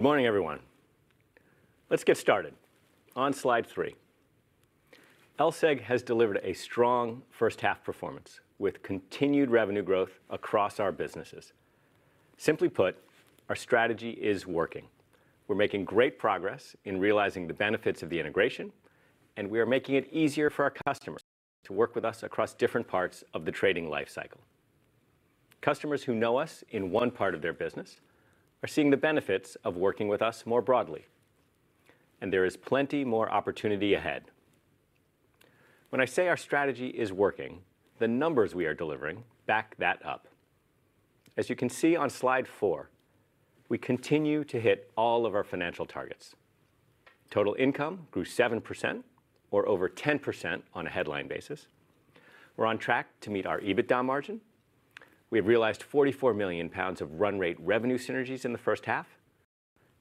Good morning, everyone. Let's get started. On Slide 3, LSEG has delivered a strong first half performance, with continued revenue growth across our businesses. Simply put, our strategy is working. We're making great progress in realizing the benefits of the integration, and we are making it easier for our customers to work with us across different parts of the trading life cycle. Customers who know us in one part of their business are seeing the benefits of working with us more broadly, and there is plenty more opportunity ahead. When I say our strategy is working, the numbers we are delivering back that up. As you can see on Slide 4, we continue to hit all of our financial targets. Total income grew 7% or over 10% on a headline basis. We're on track to meet our EBITDA margin. We have realized 44 million pounds of run rate revenue synergies in the first half,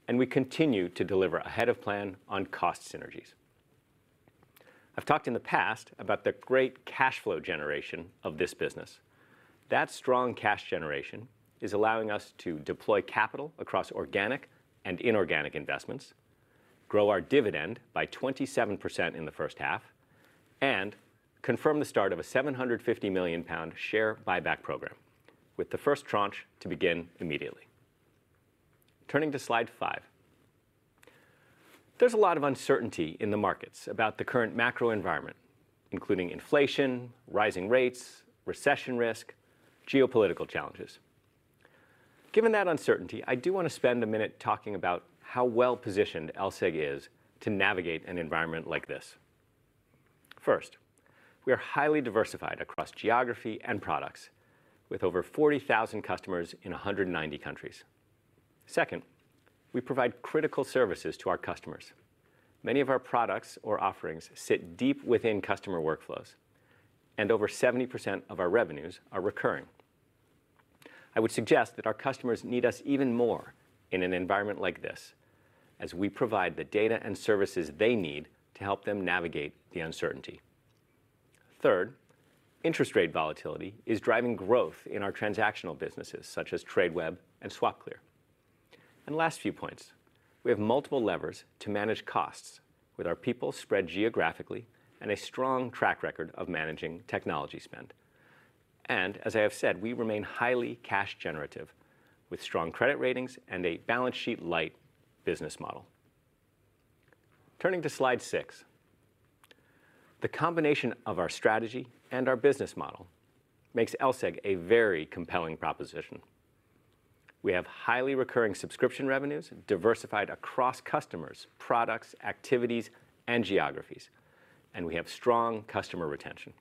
and we continue to deliver ahead of plan on cost synergies. I've talked in the past about the great cash flow generation of this business. That strong cash generation is allowing us to deploy capital across organic and inorganic investments, grow our dividend by 27% in the first half, and confirm the start of a 750 million pound share buyback program, with the first tranche to begin immediately. Turning to Slide 5. There's a lot of uncertainty in the markets about the current macro environment, including inflation, rising rates, recession risk, and geopolitical challenges. Given that uncertainty, I do want to spend a minute talking about how well-positioned LSEG is to navigate an environment like this. First, we are highly diversified across geography and products, with over 40,000 customers in 190 countries. Second, we provide critical services to our customers. Many of our products or offerings sit deep within customer workflows, and over 70% of our revenues are recurring. I would suggest that our customers need us even more in an environment like this, as we provide the data and services they need to help them navigate the uncertainty. Third, interest rate volatility is driving growth in our transactional businesses, such as Tradeweb and SwapClear. Last few points, we have multiple levers to manage costs with our people spread geographically and a strong track record of managing technology spend. As I have said, we remain highly cash generative with strong credit ratings and a balance sheet-light business model. Turning to Slide 6. The combination of our strategy and our business model makes LSEG a very compelling proposition. We have highly recurring subscription revenues diversified across customers, products, activities, and geographies, and we have strong customer retention.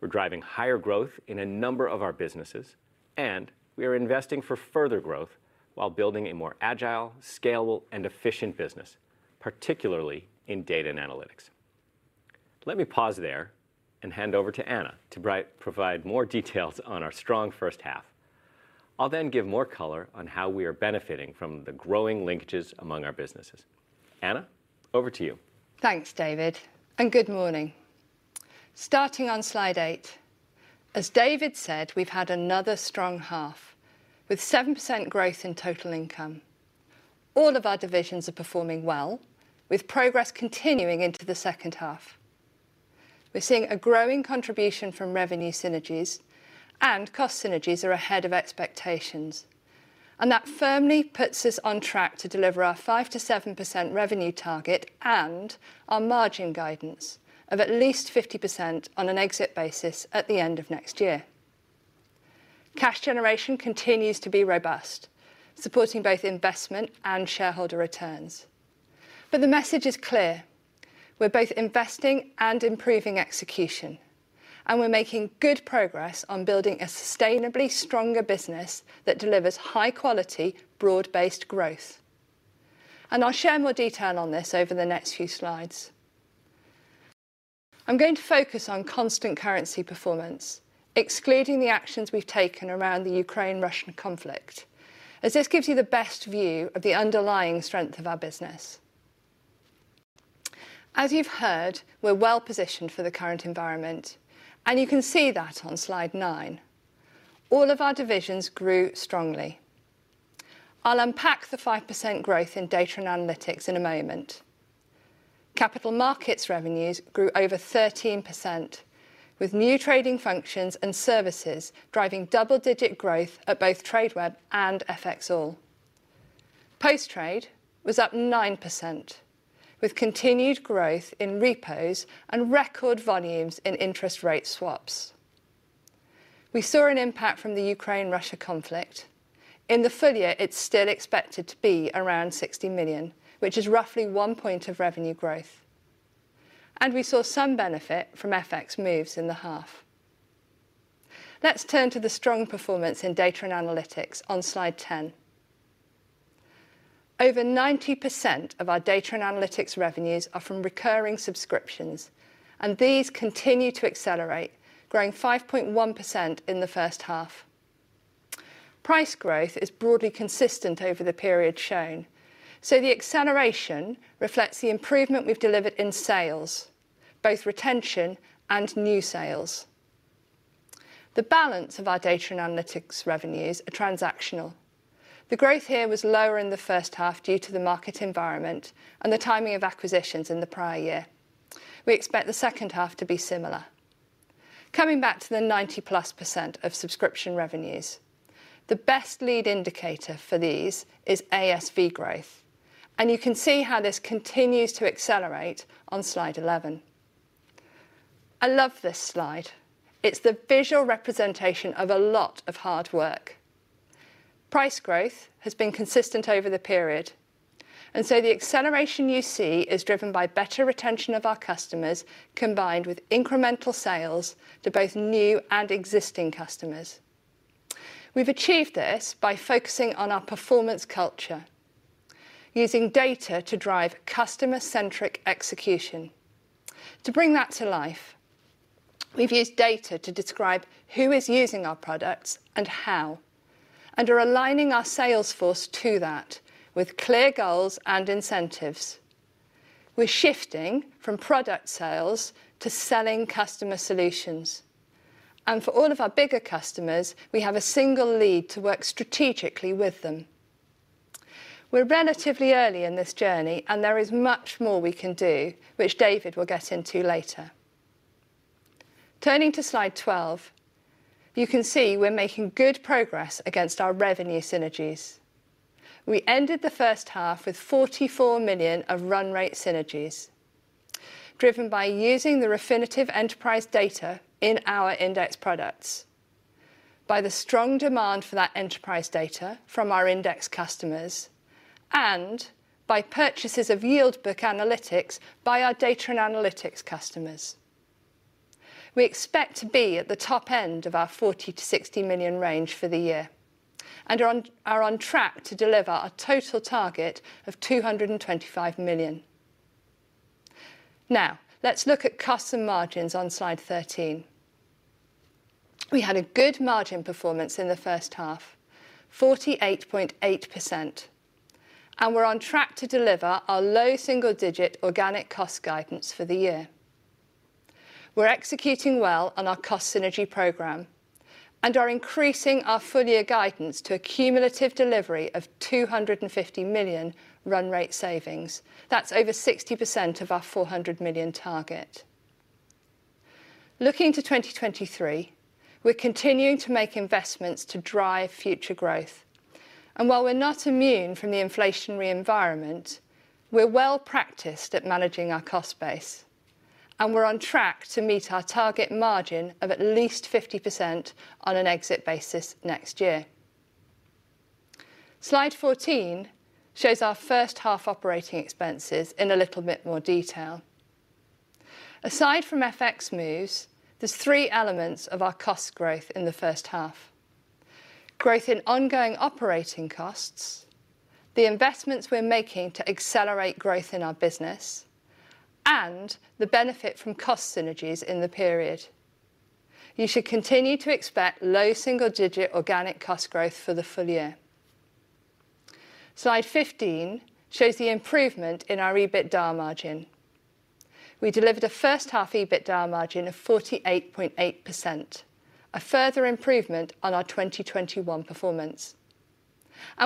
We're driving higher growth in a number of our businesses, and we are investing for further growth while building a more agile, scalable, and efficient business, particularly in data and analytics. Let me pause there and hand over to Anna to provide more details on our strong first half. I'll then give more color on how we are benefiting from the growing linkages among our businesses. Anna, over to you. Thanks, David, and good morning. Starting on Slide 8, as David said, we've had another strong half, with 7% growth in total income. All of our divisions are performing well, with progress continuing into the second half. We're seeing a growing contribution from revenue synergies and cost synergies are ahead of expectations, and that firmly puts us on track to deliver our 5%-7% revenue target and our margin guidance of at least 50% on an exit basis at the end of next year. Cash generation continues to be robust, supporting both investment and shareholder returns, but the message is clear, we're both investing and improving execution, and we're making good progress on building a sustainably stronger business that delivers high-quality, broad-based growth. I'll share more detail on this over the next few slides. I'm going to focus on constant currency performance, excluding the actions we've taken around the Ukraine-Russia conflict, as this gives you the best view of the underlying strength of our business. As you've heard, we're well-positioned for the current environment, and you can see that on Slide 9. All of our divisions grew strongly. I'll unpack the 5% growth in data and analytics in a moment. Capital Markets revenues grew over 13%, with new trading functions and services driving double-digit growth at both Tradeweb and FXall. Post Trade was up 9%, with continued growth in repos and record volumes in interest rate swaps. We saw an impact from the Ukraine-Russia conflict. In the full year, it's still expected to be around 60 million, which is roughly one point of revenue growth. We saw some benefit from FX moves in the half. Let's turn to the strong performance in data and analytics on Slide 10. Over 90% of our data and analytics revenues are from recurring subscriptions, and these continue to accelerate, growing 5.1% in the first half. Price growth is broadly consistent over the period shown, so the acceleration reflects the improvement we've delivered in sales, both retention and new sales. The balance of our data and analytics revenues are transactional. The growth here was lower in the first half due to the market environment and the timing of acquisitions in the prior year. We expect the second half to be similar. Coming back to the 90+% of subscription revenues, the best lead indicator for these is ASV growth. You can see how this continues to accelerate on Slide 11. I love this slide. It's the visual representation of a lot of hard work. Price growth has been consistent over the period, and so the acceleration you see is driven by better retention of our customers, combined with incremental sales to both new and existing customers. We've achieved this by focusing on our performance culture, using data to drive customer-centric execution. To bring that to life, we've used data to describe who is using our products and how, and are aligning our sales force to that with clear goals and incentives. We're shifting from product sales to selling customer solutions. For all of our bigger customers, we have a single lead to work strategically with them. We're relatively early in this journey and there is much more we can do, which David will get into later. Turning to Slide 12, you can see we're making good progress against our revenue synergies. We ended the first half with 44 million of run rate synergies, driven by using the Refinitiv enterprise data in our index products, by the strong demand for that enterprise data from our index customers, and by purchases of Yield Book analytics by our data and analytics customers. We expect to be at the top end of our 40 million-60 million range for the year, and are on track to deliver our total target of 225 million. Now, let's look at cost margins on Slide 13. We had a good margin performance in the first half, 48.8%, and we're on track to deliver our low single digit organic cost guidance for the year. We're executing well on our cost synergy program and are increasing our full year guidance to a cumulative delivery of 250 million run rate savings. That's over 60% of our 400 million target. Looking to 2023, we're continuing to make investments to drive future growth. While we're not immune from the inflationary environment, we're well-practiced at managing our cost base, and we're on track to meet our target margin of at least 50% on an exit basis next year. Slide 14 shows our first half operating expenses in a little bit more detail. Aside from FX moves, there's three elements of our cost growth in the first half: growth in ongoing operating costs, the investments we're making to accelerate growth in our business, and the benefit from cost synergies in the period. You should continue to expect low single-digit organic cost growth for the full year. Slide 15 shows the improvement in our EBITDA margin. We delivered a first half EBITDA margin of 48.8%, a further improvement on our 2021 performance.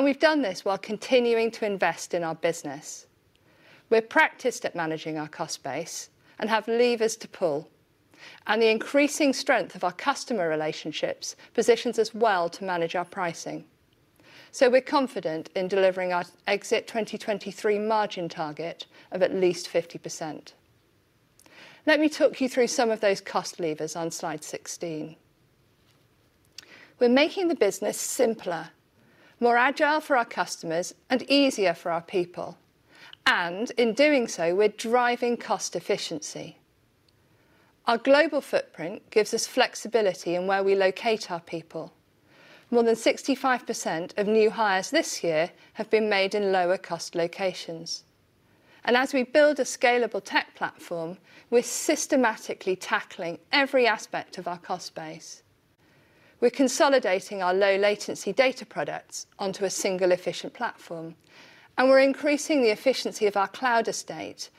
We've done this while continuing to invest in our business. We're practiced at managing our cost base and have levers to pull, and the increasing strength of our customer relationships positions us well to manage our pricing. We're confident in delivering our exit 2023 margin target of at least 50%. Let me talk you through some of those cost levers on Slide 16. We're making the business simpler, more agile for our customers, and easier for our people, and in doing so, we're driving cost efficiency. Our global footprint gives us flexibility in where we locate our people. More than 65% of new hires this year have been made in lower cost locations. As we build a scalable tech platform, we're systematically tackling every aspect of our cost base. We're consolidating our low latency data products onto a single efficient platform, and we're increasing the efficiency of our cloud estate,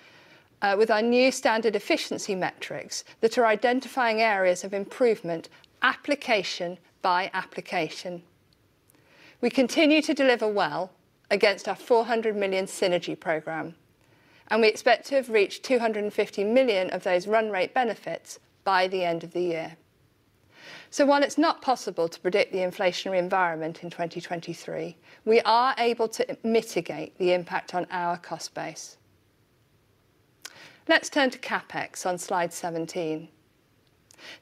with our new standard efficiency metrics that are identifying areas of improvement application by application. We continue to deliver well against our 400 million synergy program, and we expect to have reached 250 million of those run rate benefits by the end of the year. While it's not possible to predict the inflationary environment in 2023, we are able to mitigate the impact on our cost base. Let's turn to CapEx on Slide 17.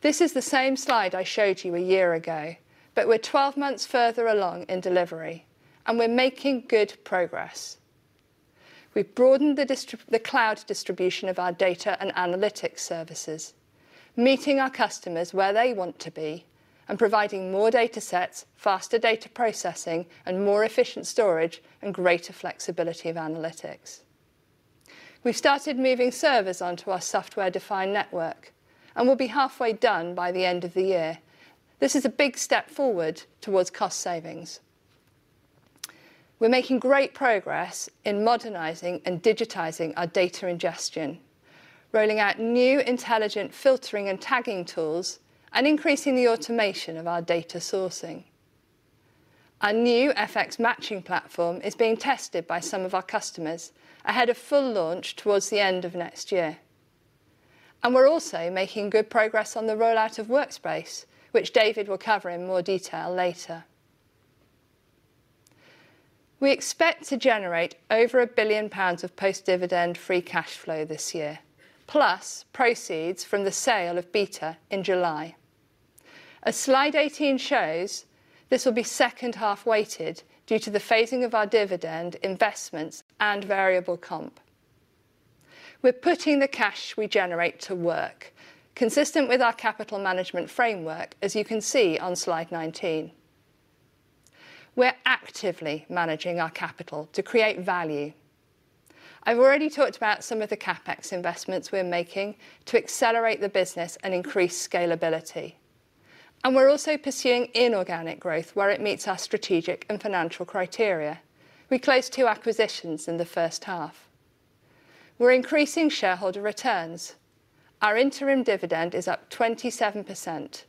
This is the same slide I showed you a year ago, but we're 12 months further along in delivery and we're making good progress. We've broadened the cloud distribution of our data and analytics services, meeting our customers where they want to be and providing more datasets, faster data processing, and more efficient storage and greater flexibility of analytics. We've started moving servers onto our software-defined network and will be halfway done by the end of the year. This is a big step forward towards cost savings. We're making great progress in modernizing and digitizing our data ingestion, rolling out new intelligent filtering and tagging tools, and increasing the automation of our data sourcing. Our new FX matching platform is being tested by some of our customers ahead of full launch towards the end of next year. We're also making good progress on the rollout of Workspace, which David will cover in more detail later. We expect to generate over 1 billion pounds of post-dividend free cash flow this year, plus proceeds from the sale of Beta in July. As Slide 18 shows, this will be second-half weighted due to the phasing of our dividend investments and variable comp. We're putting the cash we generate to work consistent with our capital management framework as you can see on Slide 19. We're actively managing our capital to create value. I've already talked about some of the CapEx investments we're making to accelerate the business and increase scalability. We're also pursuing inorganic growth where it meets our strategic and financial criteria. We closed two acquisitions in the first half. We're increasing shareholder returns. Our interim dividend is up 27%.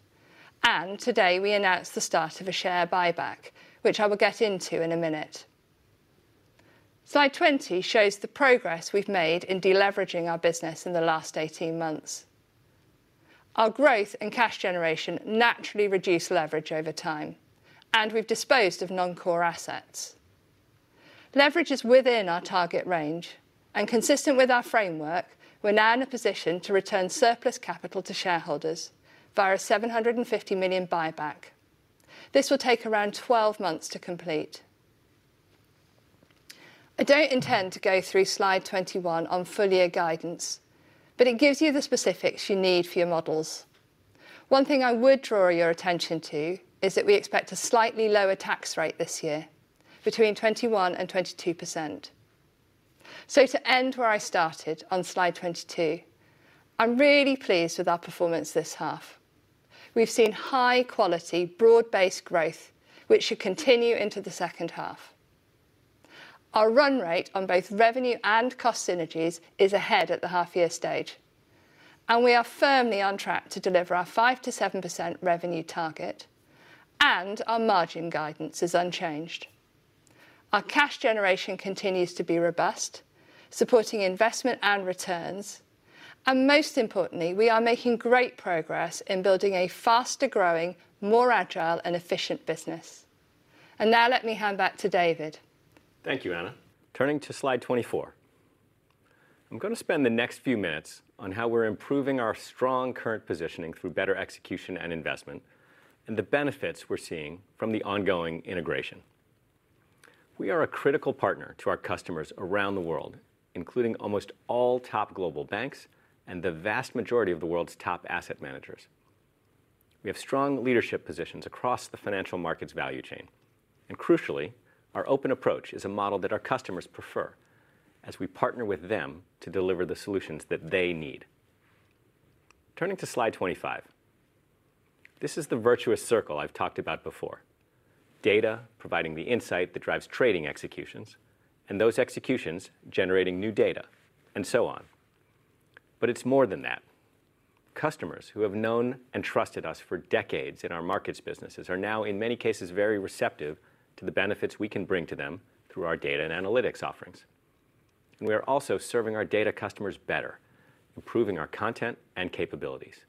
Today, we announced the start of a share buyback, which I will get into in a minute. Slide 20 shows the progress we've made in deleveraging our business in the last 18 months. Our growth and cash generation naturally reduce leverage over time, and we've disposed of non-core assets. Leverage is within our target range, and consistent with our framework, we're now in a position to return surplus capital to shareholders via a 750 million buyback. This will take around 12 months to complete. I don't intend to go through Slide 21 on full year guidance, but it gives you the specifics you need for your models. One thing I would draw your attention to is that we expect a slightly lower tax rate this year between 21% and 22%. To end where I started on Slide 22, I'm really pleased with our performance this half. We've seen high-quality, broad-based growth, which should continue into the second half. Our run rate on both revenue and cost synergies is ahead at the half-year stage, and we are firmly on track to deliver our 5%-7% revenue target, and our margin guidance is unchanged. Our cash generation continues to be robust, supporting investment and returns. Most importantly, we are making great progress in building a faster-growing, more agile and efficient business. Now let me hand back to David. Thank you, Anna. Turning to Slide 24. I'm going to spend the next few minutes on how we're improving our strong current positioning through better execution and investment and the benefits we're seeing from the ongoing integration. We are a critical partner to our customers around the world, including almost all top global banks and the vast majority of the world's top asset managers. We have strong leadership positions across the financial markets value chain. Crucially, our open approach is a model that our customers prefer as we partner with them to deliver the solutions that they need. Turning to Slide 25. This is the virtuous circle I've talked about before. Data providing the insight that drives trading executions, and those executions generating new data, and so on. It's more than that. Customers who have known and trusted us for decades in our markets businesses are now, in many cases, very receptive to the benefits we can bring to them through our data and analytics offerings. We are also serving our data customers better, improving our content and capabilities.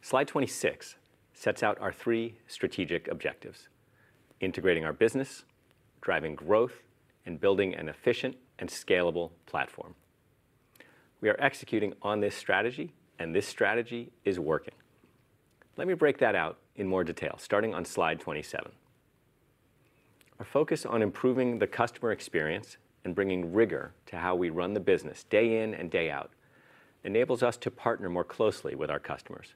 Slide 26 sets out our three strategic objectives, integrating our business, driving growth, and building an efficient and scalable platform. We are executing on this strategy, and this strategy is working. Let me break that out in more detail, starting on Slide 27. Our focus on improving the customer experience and bringing rigor to how we run the business day in and day out enables us to partner more closely with our customers.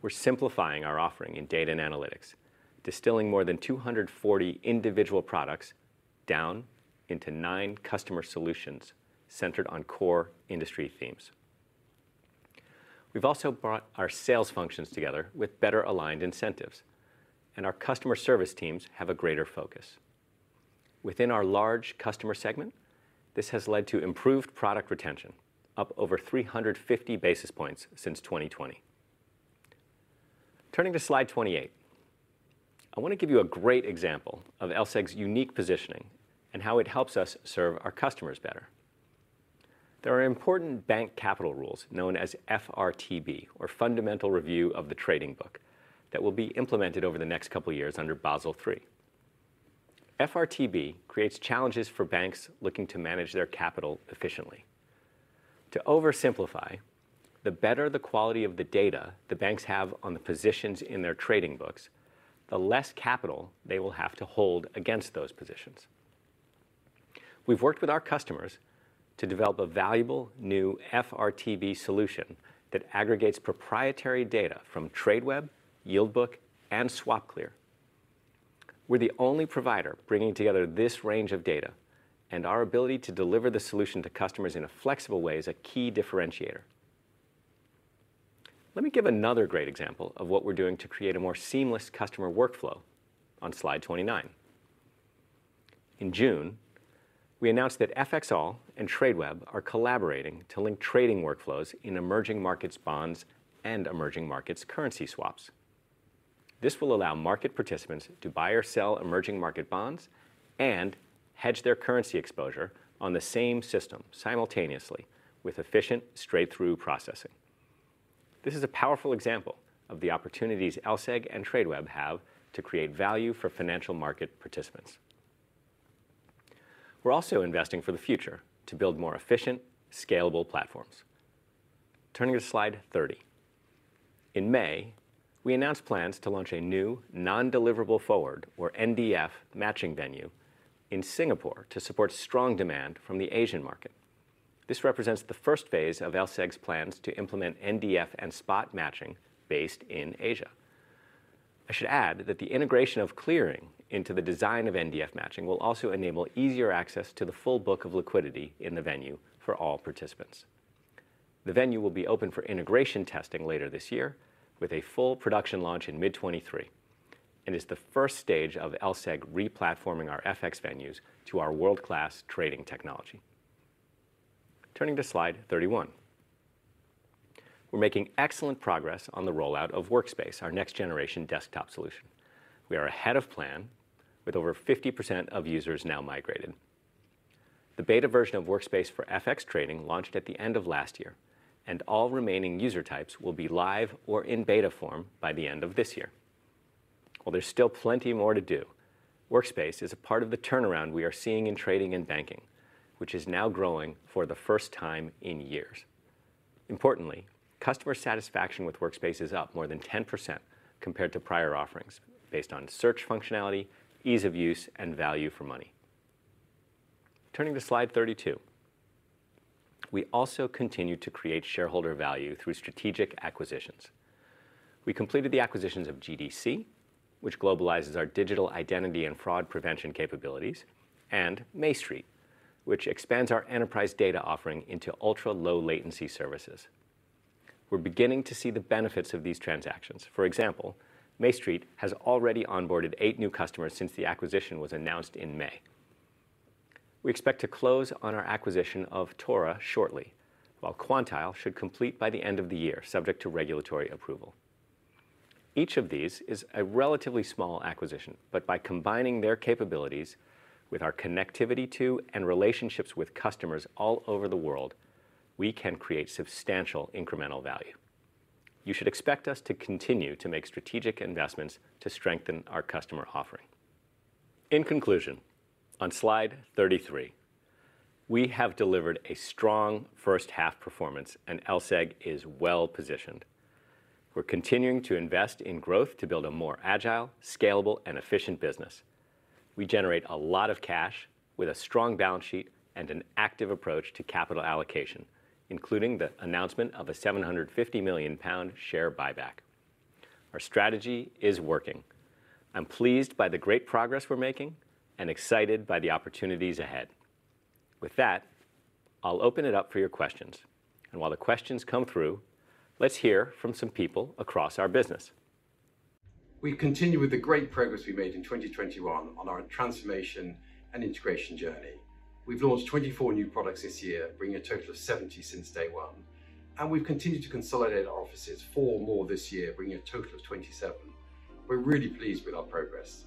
We're simplifying our offering in data and analytics, distilling more than 240 individual products down into nine customer solutions centered on core industry themes. We've also brought our sales functions together with better-aligned incentives, and our customer service teams have a greater focus. Within our large customer segment, this has led to improved product retention, up over 350 basis points since 2020. Turning to Slide 28. I want to give you a great example of LSEG's unique positioning and how it helps us serve our customers better. There are important bank capital rules known as FRTB, or Fundamental Review of the Trading Book, that will be implemented over the next couple of years under Basel III. FRTB creates challenges for banks looking to manage their capital efficiently. To oversimplify, the better the quality of the data the banks have on the positions in their trading books, the less capital they will have to hold against those positions. We've worked with our customers to develop a valuable new FRTB solution that aggregates proprietary data from Tradeweb, Yield Book, and SwapClear. We're the only provider bringing together this range of data, and our ability to deliver the solution to customers in a flexible way is a key differentiator. Let me give another great example of what we're doing to create a more seamless customer workflow on Slide 29. In June, we announced that FXall and Tradeweb are collaborating to link trading workflows in emerging markets bonds and emerging markets currency swaps. This will allow market participants to buy or sell emerging market bonds and hedge their currency exposure on the same system simultaneously with efficient straight-through processing. This is a powerful example of the opportunities LSEG and Tradeweb have to create value for financial market participants. We're also investing for the future to build more efficient, scalable platforms. Turning to Slide 30. In May, we announced plans to launch a new non-deliverable forward, or NDF, matching venue in Singapore to support strong demand from the Asian market. This represents the first phase of LSEG's plans to implement NDF and spot matching based in Asia. I should add that the integration of clearing into the design of NDF matching will also enable easier access to the full book of liquidity in the venue for all participants. The venue will be open for integration testing later this year, with a full production launch in mid 2023, and is the first stage of LSEG re-platforming our FX venues to our world-class trading technology. Turning to Slide 31. We're making excellent progress on the rollout of Workspace, our next-generation desktop solution. We are ahead of plan with over 50% of users now migrated. The beta version of Workspace for FX trading launched at the end of last year, and all remaining user types will be live or in beta form by the end of this year. While there's still plenty more to do, Workspace is a part of the turnaround we are seeing in trading and banking, which is now growing for the first time in years. Importantly, customer satisfaction with Workspace is up more than 10% compared to prior offerings based on search functionality, ease of use, and value for money. Turning to Slide 32. We also continue to create shareholder value through strategic acquisitions. We completed the acquisitions of GDC, which globalizes our digital identity and fraud prevention capabilities, and MayStreet, which expands our enterprise data offering into ultra-low latency services. We're beginning to see the benefits of these transactions. For example, MayStreet has already onboarded eight new customers since the acquisition was announced in May. We expect to close on our acquisition of TORA shortly, while Quantile should complete by the end of the year, subject to regulatory approval. Each of these is a relatively small acquisition, but by combining their capabilities with our connectivity to and relationships with customers all over the world, we can create substantial incremental value. You should expect us to continue to make strategic investments to strengthen our customer offering. In conclusion, on Slide 33, we have delivered a strong first half performance, and LSEG is well-positioned. We're continuing to invest in growth to build a more agile, scalable, and efficient business. We generate a lot of cash with a strong balance sheet and an active approach to capital allocation, including the announcement of a 750 million pound share buyback. Our strategy is working. I'm pleased by the great progress we're making and excited by the opportunities ahead. With that, I'll open it up for your questions. While the questions come through, let's hear from some people across our business. We continue with the great progress we made in 2021 on our transformation and integration journey. We've launched 24 new products this year, bringing a total of 70 since day one, and we've continued to consolidate our offices, four more this year, bringing a total of 27. We're really pleased with our progress.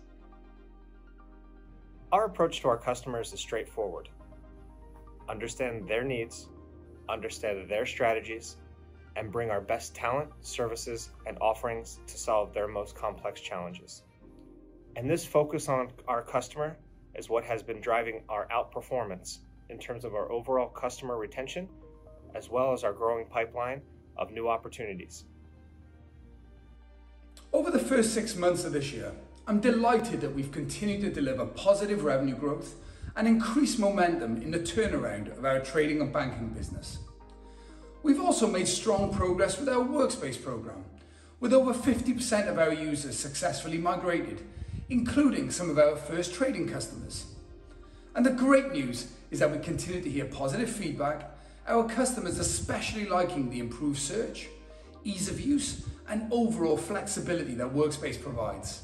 Our approach to our customers is straightforward: understand their needs, understand their strategies, and bring our best talent, services, and offerings to solve their most complex challenges. This focus on our customer is what has been driving our outperformance in terms of our overall customer retention, as well as our growing pipeline of new opportunities. Over the first six months of this year, I'm delighted that we've continued to deliver positive revenue growth and increased momentum in the turnaround of our trading and banking business. We've also made strong progress with our Workspace program, with over 50% of our users successfully migrated, including some of our first trading customers. The great news is that we continue to hear positive feedback, our customers especially liking the improved search, ease of use, and overall flexibility that Workspace provides.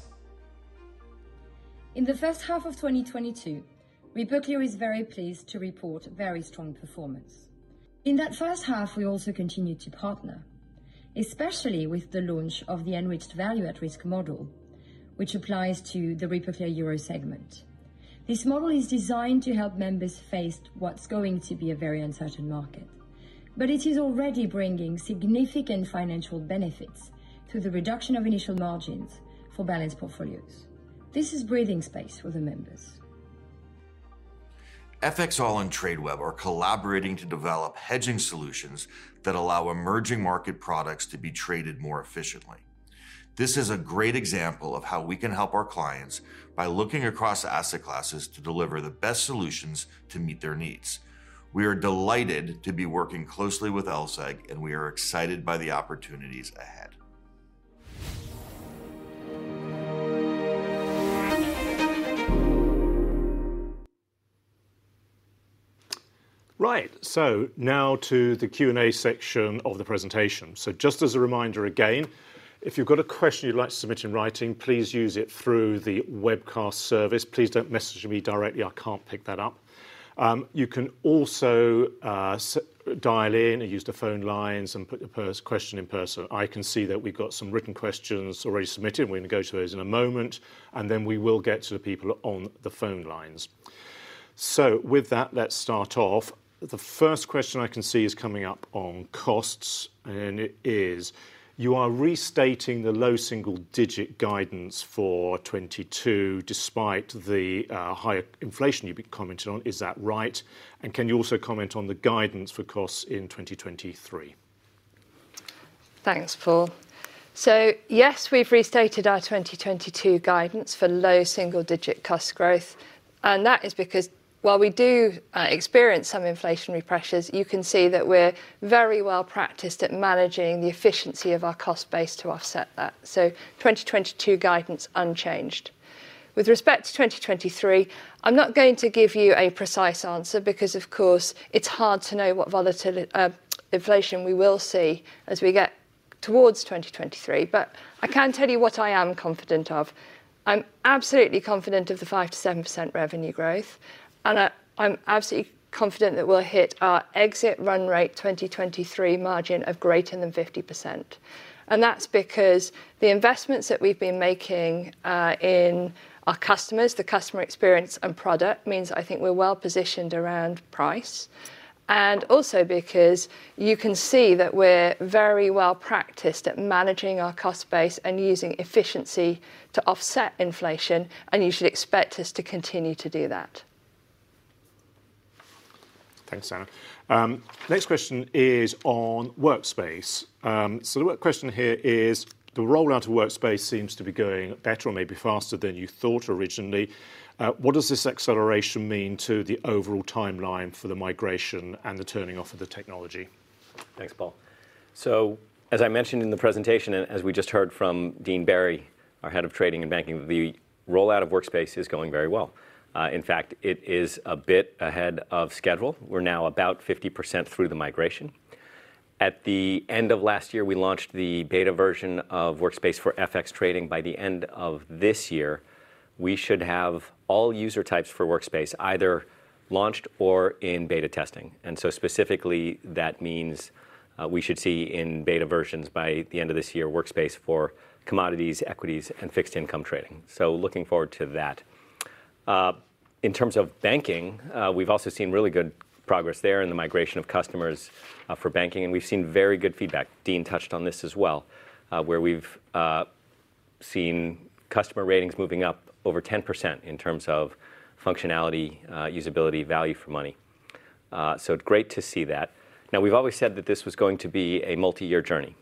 In the first half of 2022, RepoClear is very pleased to report very strong performance. In that first half, we also continued to partner, especially with the launch of the enriched value at risk model, which applies to the RepoClear Euro segment. This model is designed to help members face what's going to be a very uncertain market, but it is already bringing significant financial benefits through the reduction of initial margins for balanced portfolios. This is breathing space for the members. FXall and Tradeweb are collaborating to develop hedging solutions that allow emerging market products to be traded more efficiently. This is a great example of how we can help our clients by looking across asset classes to deliver the best solutions to meet their needs. We are delighted to be working closely with LSEG, and we are excited by the opportunities ahead. Right. Now to the Q&A section of the presentation. Just as a reminder, again, if you've got a question you'd like to submit in writing, please use it through the webcast service. Please don't message me directly. I can't pick that up. You can also dial in or use the phone lines and put your question in person. I can see that we've got some written questions already submitted, and we're going to go to those in a moment, and then we will get to the people on the phone lines. With that, let's start off. The first question I can see is coming up on costs, and it is: you are restating the low single-digit guidance for 2022 despite the higher inflation you've been commenting on. Is that right? Can you also comment on the guidance for costs in 2023? Thanks, Paul. Yes, we've restated our 2022 guidance for low single-digit cost growth. That is because while we do experience some inflationary pressures, you can see that we're very well-practiced at managing the efficiency of our cost base to offset that. 2022 guidance unchanged. With respect to 2023, I'm not going to give you a precise answer because, of course, it's hard to know what inflation we will see as we get towards 2023. I can tell you what I am confident of. I'm absolutely confident of the 5%-7% revenue growth, and I'm absolutely confident that we'll hit our exit run rate 2023 margin of greater than 50%. That's because the investments that we've been making in our customers, the customer experience and product, means I think we're well positioned around price. Also because you can see that we're very well-practiced at managing our cost base and using efficiency to offset inflation, and you should expect us to continue to do that. Thanks, Anna. Next question is on Workspace. The question here is: the rollout of Workspace seems to be going better or maybe faster than you thought originally. What does this acceleration mean to the overall timeline for the migration and the turning off of the technology? Thanks, Paul. As I mentioned in the presentation and as we just heard from Dean Berry, our head of trading and banking, the rollout of Workspace is going very well. In fact, it is a bit ahead of schedule. We're now about 50% through the migration. At the end of last year, we launched the beta version of Workspace for FX trading. By the end of this year, we should have all user types for Workspace either launched or in beta testing. Specifically, that means we should see in beta versions by the end of this year, Workspace for commodities, equities, and fixed income trading. Looking forward to that. In terms of banking, we've also seen really good progress there in the migration of customers for banking, and we've seen very good feedback. Dean touched on this as well, where we've seen customer ratings moving up over 10% in terms of functionality, usability, and value for money. Great to see that. Now, we've always said that this was going to be a multi-year journey.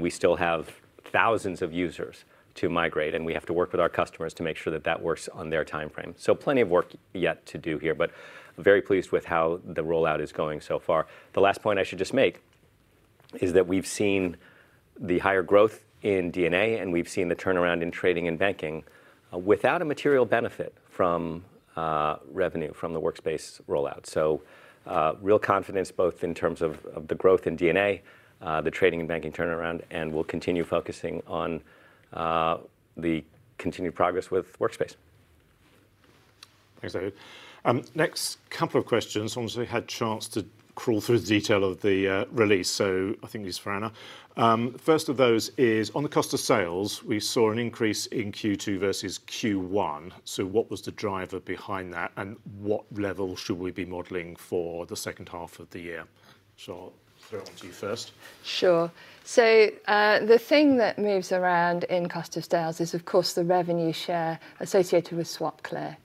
We still have thousands of users to migrate, and we have to work with our customers to make sure that that works on their timeframe. Plenty of work yet to do here, but very pleased with how the rollout is going so far. The last point I should just make is that we've seen the higher growth in DNA, and we've seen the turnaround in trading and banking, without a material benefit from revenue from the Workspace rollout. Real confidence both in terms of the growth in DNA, the trading and banking turnaround, and we'll continue focusing on the continued progress with Workspace. Thanks, David. Next couple of questions, ones we had chance to crawl through the detail of the release. I think this is for Anna. First of those is: on the cost of sales, we saw an increase in Q2 versus Q1, so what was the driver behind that, and what level should we be modeling for the second half of the year? I'll throw it on to you first. Sure. The thing that moves around in cost of sales is, of course, the revenue share associated with SwapClear.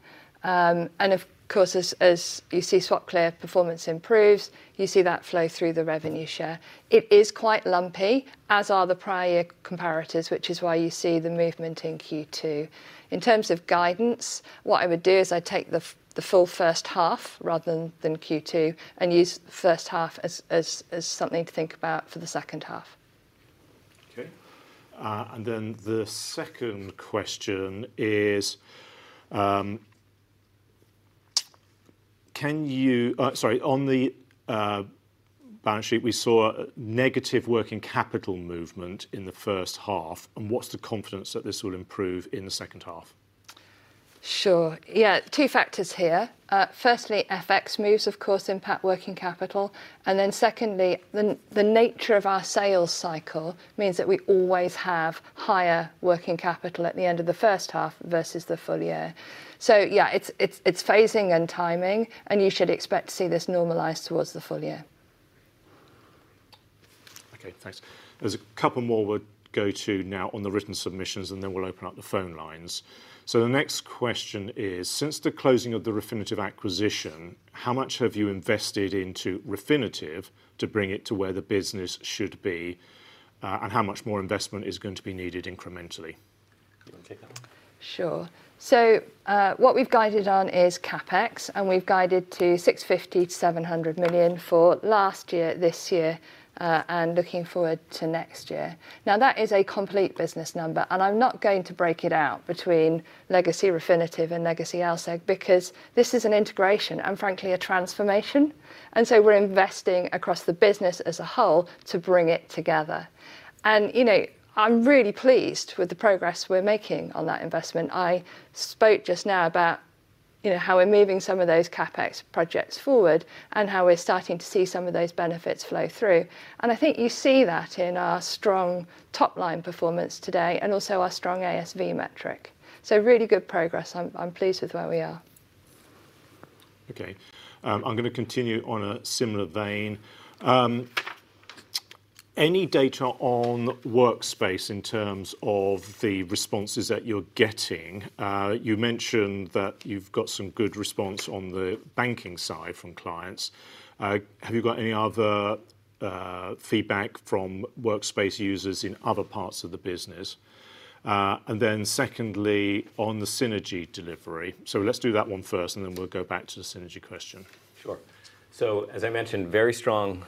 Of course, as you see SwapClear performance improves, you see that flow through the revenue share. It is quite lumpy, as are the prior comparators, which is why you see the movement in Q2. In terms of guidance, what I would do is I'd take the full first half rather than Q2 and use the first half as something to think about for the second half. The second question is, on the balance sheet, we saw a negative working capital movement in the first half, and what's the confidence that this will improve in the second half? Sure. Yes, two factors here. Firstly, FX moves, of course, impact working capital. Then secondly, the nature of our sales cycle means that we always have higher working capital at the end of the first half versus the full year. It's phasing and timing, and you should expect to see this normalize towards the full year. Okay, thanks. There's a couple more we'll go to now on the written submissions, and then we'll open up the phone lines. The next question is: since the closing of the Refinitiv acquisition, how much have you invested into Refinitiv to bring it to where the business should be, and how much more investment is going to be needed incrementally? Sure. What we've guided on is CapEx, and we've guided to 650 million-700 million for last year, this year, and looking forward to next year. Now, that is a complete business number, and I'm not going to break it out between legacy Refinitiv and legacy LSEG, because this is an integration and frankly a transformation. We're investing across the business as a whole to bring it together. I'm really pleased with the progress we're making on that investment. I spoke just now about how we're moving some of those CapEx projects forward and how we're starting to see some of those benefits flow through. I think you see that in our strong top-line performance today and also our strong ASV metric. Really good progress. I'm pleased with where we are. Okay. I'm going to continue on a similar vein. Any data on Workspace in terms of the responses that you're getting? You mentioned that you've got some good response on the banking side from clients. Have you got any other feedback from Workspace users in other parts of the business? Secondly, on the synergy delivery. Let's do that one first, and then we'll go back to the synergy question. Sure. As I mentioned, very strong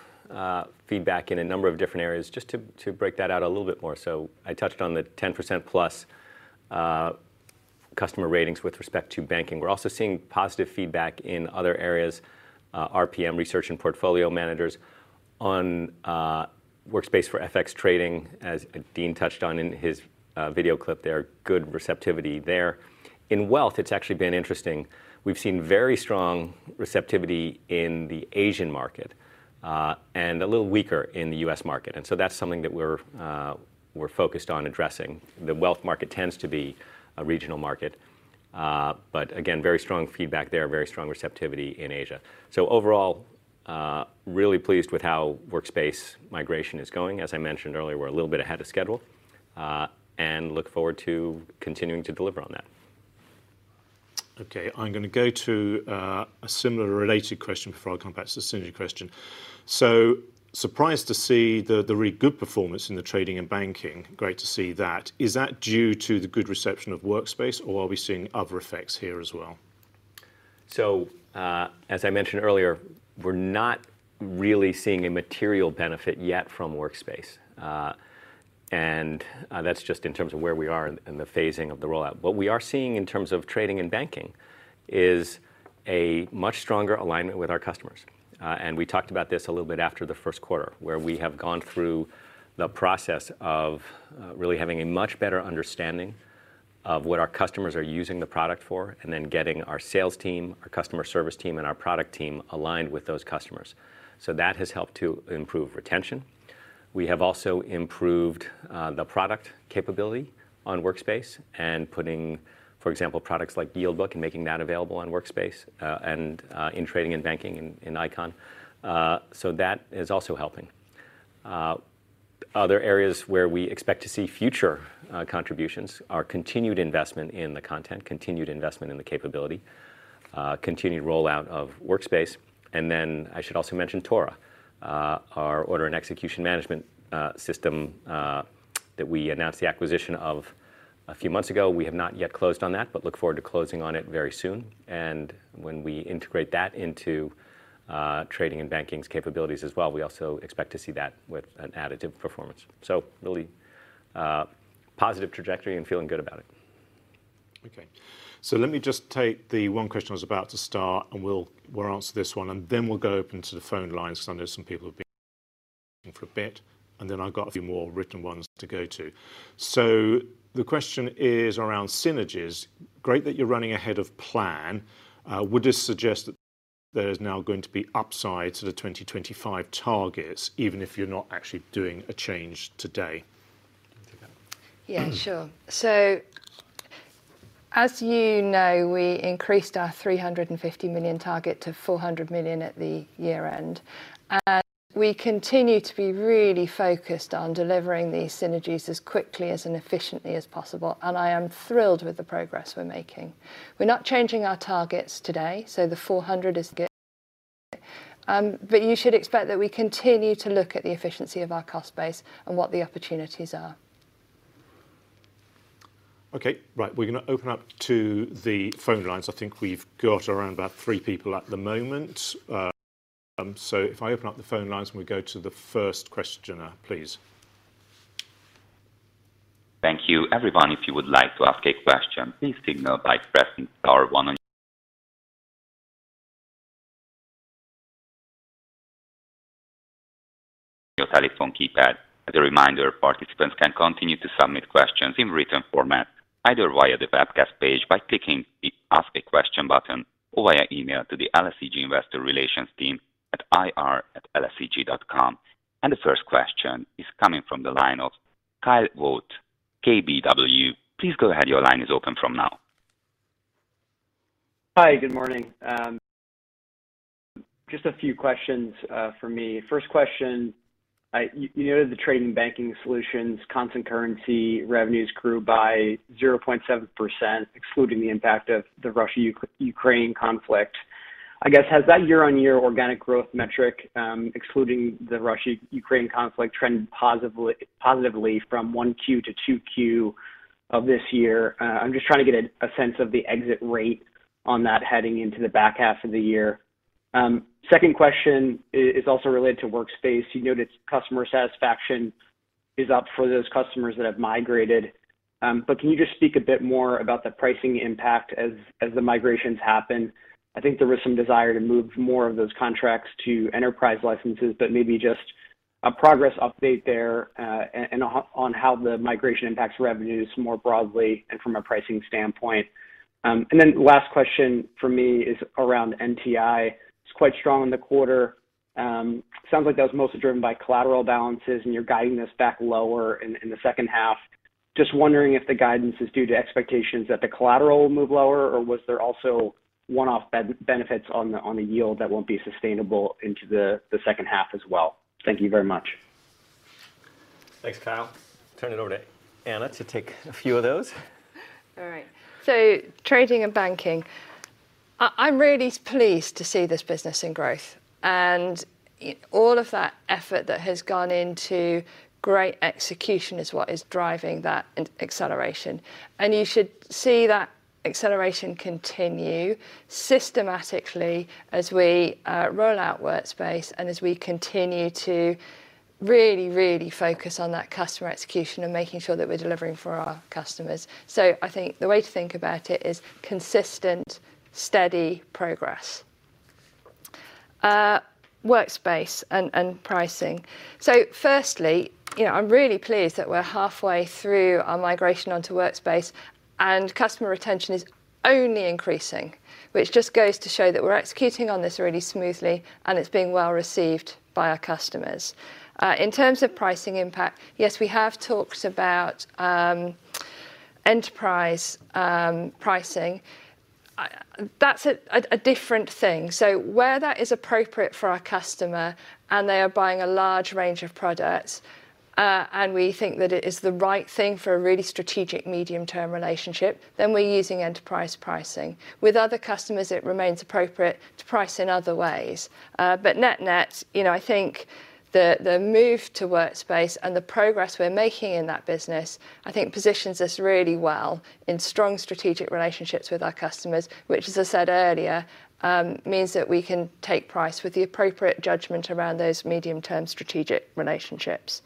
feedback in a number of different areas. Just to break that out a little bit more. I touched on the 10%+ customer ratings with respect to banking. We're also seeing positive feedback in other areas, RPM research and portfolio managers. On Workspace for FX trading, as Dean touched on in his video clip there, good receptivity there. In wealth, it's actually been interesting. We've seen very strong receptivity in the Asian market, and a little weaker in the US market, and so that's something that we're focused on addressing. The wealth market tends to be a regional market, but again, very strong feedback there, very strong receptivity in Asia. Overall, really pleased with how Workspace migration is going. As I mentioned earlier, we're a little bit ahead of schedule, and look forward to continuing to deliver on that. Okay. I'm going to go to a similar related question before I come back to the synergy question. Surprised to see the really good performance in the trading and banking. Great to see that. Is that due to the good reception of Workspace, or are we seeing other effects here as well? As I mentioned earlier, we're not really seeing a material benefit yet from Workspace. That's just in terms of where we are in the phasing of the rollout. What we are seeing in terms of trading and banking is a much stronger alignment with our customers. We talked about this a little bit after the Q1, where we have gone through the process of really having a much better understanding of what our customers are using the product for, and then getting our sales team, our customer service team, and our product team aligned with those customers. That has helped to improve retention. We have also improved the product capability on Workspace and putting, for example, products like Yield Book and making that available on Workspace, and in trading and banking in Eikon. That is also helping. Other areas where we expect to see future contributions are continued investment in the content, continued investment in the capability, continued rollout of Workspace, and then I should also mention TORA, our order and execution management system that we announced the acquisition of a few months ago. We have not yet closed on that, but look forward to closing on it very soon. When we integrate that into trading and banking's capabilities as well, we also expect to see that with an additive performance. Really positive trajectory and feeling good about it. Okay. Let me just take the one question I was about to start, and we'll answer this one, and then we'll go open to the phone lines because I know some people have been for a bit, and then I've got a few more written ones to go to. The question is around synergies. Great that you're running ahead of plan. Would this suggest that there's now going to be upside to the 2025 targets, even if you're not actually doing a change today? Yes, sure. As you know, we increased our 350 million target to 400 million at the year-end. We continue to be really focused on delivering these synergies as quickly and efficiently as possible, and I am thrilled with the progress we're making. We're not changing our targets today, so the 400 is good. You should expect that we continue to look at the efficiency of our cost base and what the opportunities are. Okay. We're going to open up to the phone lines. I think we've got around about three people at the moment. If I open up the phone lines, and we go to the first questioner, please. Thank you. Everyone, if you would like to ask a question, please signal by pressing star one on your telephone keypad. As a reminder, participants can continue to submit questions in written format, either via the webcast page by clicking the Ask a Question button or via email to the LSEG Investor Relations team at ir@lseg.com. The first question is coming from the line of Kyle Voigt, KBW. Please go ahead. Your line is open from now. Hi. Good morning. Just a few questions for me. First question, you noted the Trading and Banking Solutions constant currency revenues grew by 0.7%, excluding the impact of the Russia-Ukraine conflict. Has that year-on-year organic growth metric, excluding the Russia-Ukraine conflict, trended positively from Q1 to Q2 of this year? I'm just trying to get a sense of the exit rate on that heading into the back half of the year. Second question is also related to Workspace. You noted customer satisfaction is up for those customers that have migrated but can you just speak a bit more about the pricing impact as the migrations happen? I think there was some desire to move more of those contracts to enterprise licenses, but maybe just a progress update there, and on how the migration impacts revenues more broadly and from a pricing standpoint. Last question for me is around NTI. It's quite strong in the quarter. Sounds like that was mostly driven by collateral balances, and you're guiding this back lower in the second half. Just wondering if the guidance is due to expectations that the collateral will move lower, or was there also one-off benefits on the yield that won't be sustainable into the second half as well? Thank you very much. Thanks, Kyle. Turn it over to Anna to take a few of those. All right. Trading and banking. I'm really pleased to see this business in growth, and all of that effort that has gone into great execution is what is driving that acceleration. You should see that acceleration continue systematically as we roll out Workspace and as we continue to really, really focus on that customer execution and making sure that we're delivering for our customers. I think the way to think about it is consistent steady progress. Workspace and pricing. Firstly, I'm really pleased that we're halfway through our migration onto Workspace, and customer retention is only increasing, which just goes to show that we're executing on this really smoothly, and it's being well received by our customers. In terms of pricing impact, yes, we have talked about enterprise pricing. That's a different thing. Where that is appropriate for our customer and they are buying a large range of products, and we think that it is the right thing for a really strategic medium-term relationship, then we're using enterprise pricing. With other customers, it remains appropriate to price in other ways. Net-net, I think the move to Workspace and the progress we're making in that business, I think positions us really well in strong strategic relationships with our customers, which as I said earlier, means that we can take price with the appropriate judgment around those medium-term strategic relationships.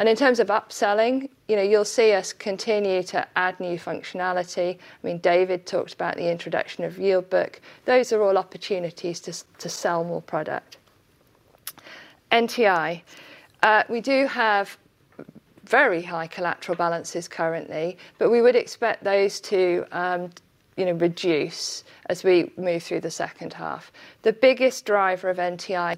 In terms of upselling, you'll see us continue to add new functionality. David talked about the introduction of Yield Book. Those are all opportunities to sell more product. NTI. We do have very high collateral balances currently, but we would expect those to reduce as we move through the second half. The biggest driver of NTI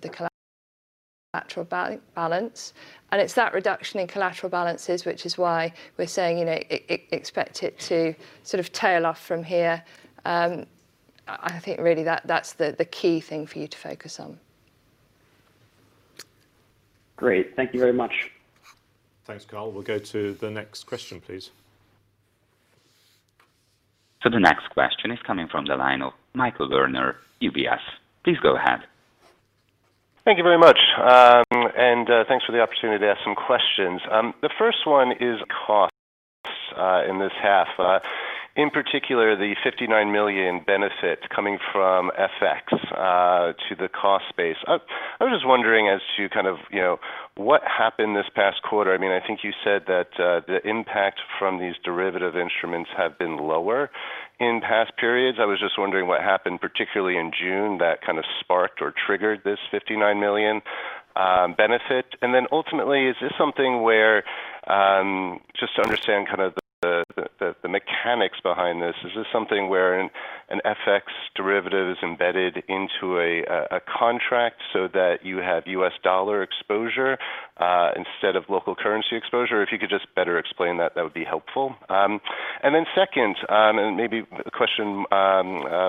is the collateral balance, and it's that reduction in collateral balances, which is why we're saying, expect it to tail off from here. I think really that that's the key thing for you to focus on. Great. Thank you very much. Thanks, Kyle. We'll go to the next question, please. The next question is coming from the line of Michael Werner, UBS. Please go ahead. Thank you very much. Thanks for the opportunity to ask some questions. The first one is costs in this half. In particular, the 59 million benefit coming from FX to the cost base. I was just wondering as to, what happened this past quarter. I think you said that the impact from these derivative instruments have been lower in past periods. I was just wondering what happened, particularly in June, that sparked or triggered this 59 million benefit. Ultimately, just to understand the mechanics behind this. Is this something where an FX derivative is embedded into a contract so that you have US dollar exposure instead of local currency exposure? If you could just better explain that would be helpful. Then second, maybe a question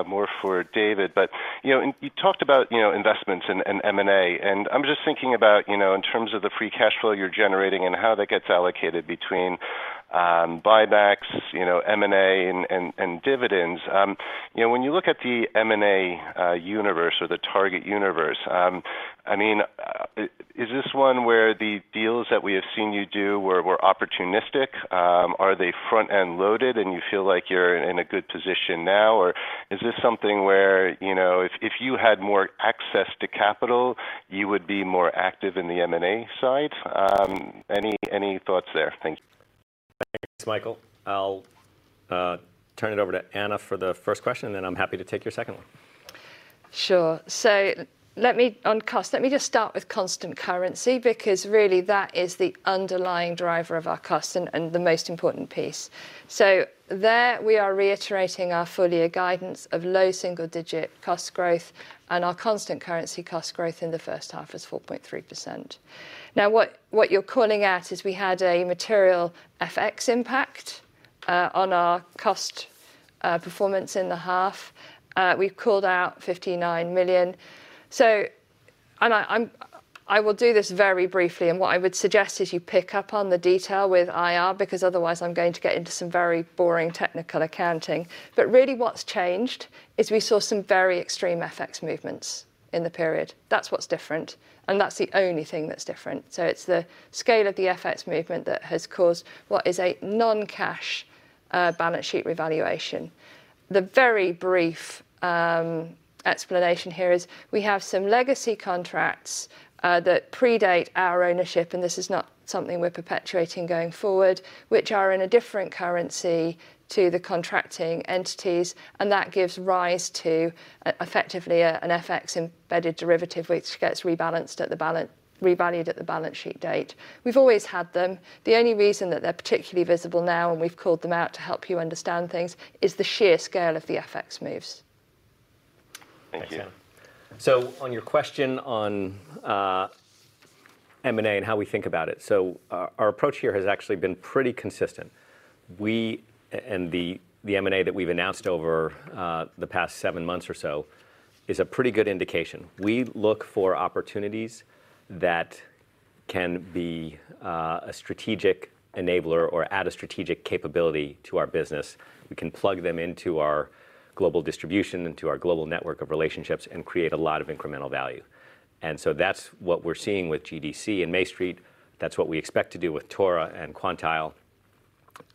more for David, but and you talked about, investments and M&A, and I'm just thinking about, in terms of the free cash flow you're generating and how that gets allocated between buybacks, M&A, and dividends. when you look at the M&A universe or the target universe, is this one where the deals that we have seen you do were opportunistic? Are they front-end loaded, and you feel like you're in a good position now? Or is this something where, if you had more access to capital, you would be more active in the M&A side? Any thoughts there? Thank you. Thanks, Michael. I'll turn it over to Anna for the first question, and then I'm happy to take your second one. Sure. Let me, on cost, let me just start with constant currency because really that is the underlying driver of our cost and the most important piece. There we are reiterating our full-year guidance of low single-digit cost growth and our constant currency cost growth in the first half is 4.3%. Now what you're calling out is we had a material FX impact on our cost performance in the half. We've called out 59 million. I will do this very briefly, and what I would suggest is you pick up on the detail with IR, because otherwise I'm going to get into some very boring technical accounting. Really what's changed is we saw some very extreme FX movements in the period. That's what's different, and that's the only thing that's different. It's the scale of the FX movement that has caused what is a non-cash balance sheet revaluation. The very brief explanation here is we have some legacy contracts that predate our ownership, and this is not something we're perpetuating going forward, which are in a different currency to the contracting entities, and that gives rise to effectively an FX-embedded derivative, which gets revalued at the balance sheet date. We've always had them. The only reason that they're particularly visible now and we've called them out to help you understand things is the sheer scale of the FX moves. Thank you. Thanks, Anna. On your question on M&A and how we think about it. Our approach here has actually been pretty consistent. The M&A that we've announced over the past seven months or so is a pretty good indication. We look for opportunities that can be a strategic enabler or add a strategic capability to our business. We can plug them into our global distribution, into our global network of relationships and create a lot of incremental value. That's what we're seeing with GDC and MayStreet. That's what we expect to do with TORA and Quantile.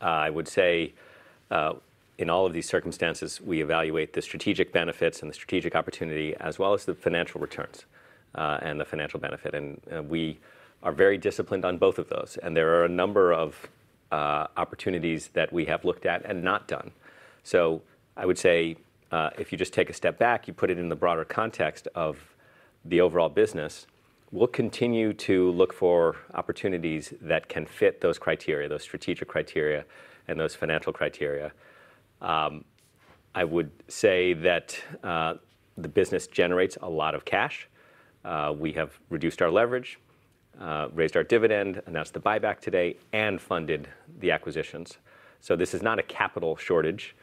I would say in all of these circumstances, we evaluate the strategic benefits and the strategic opportunity, as well as the financial returns and the financial benefit. We are very disciplined on both of those. There are a number of opportunities that we have looked at and not done. I would say if you just take a step back, you put it in the broader context of the overall business, we'll continue to look for opportunities that can fit those criteria, those strategic criteria and those financial criteria. I would say that the business generates a lot of cash. We have reduced our leverage, raised our dividend, announced the buyback today, and funded the acquisitions. This is not a capital shortage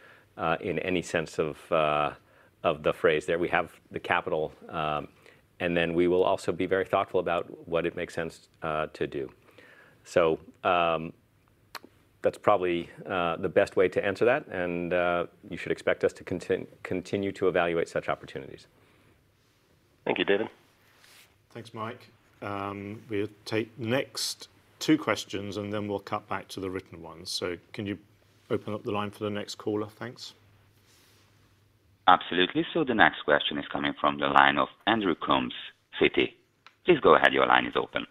in any sense of the phrase there. We have the capital, and then we will also be very thoughtful about what it makes sense to do. That's probably the best way to answer that, and you should expect us to continue to evaluate such opportunities. Thank you, David. Thanks, Mike. We'll take next two questions, and then we'll cut back to the written ones. Can you open up the line for the next caller? Thanks. Absolutely. The next question is coming from the line of Andrew Coombs, Citi. Please go ahead. Your line is open.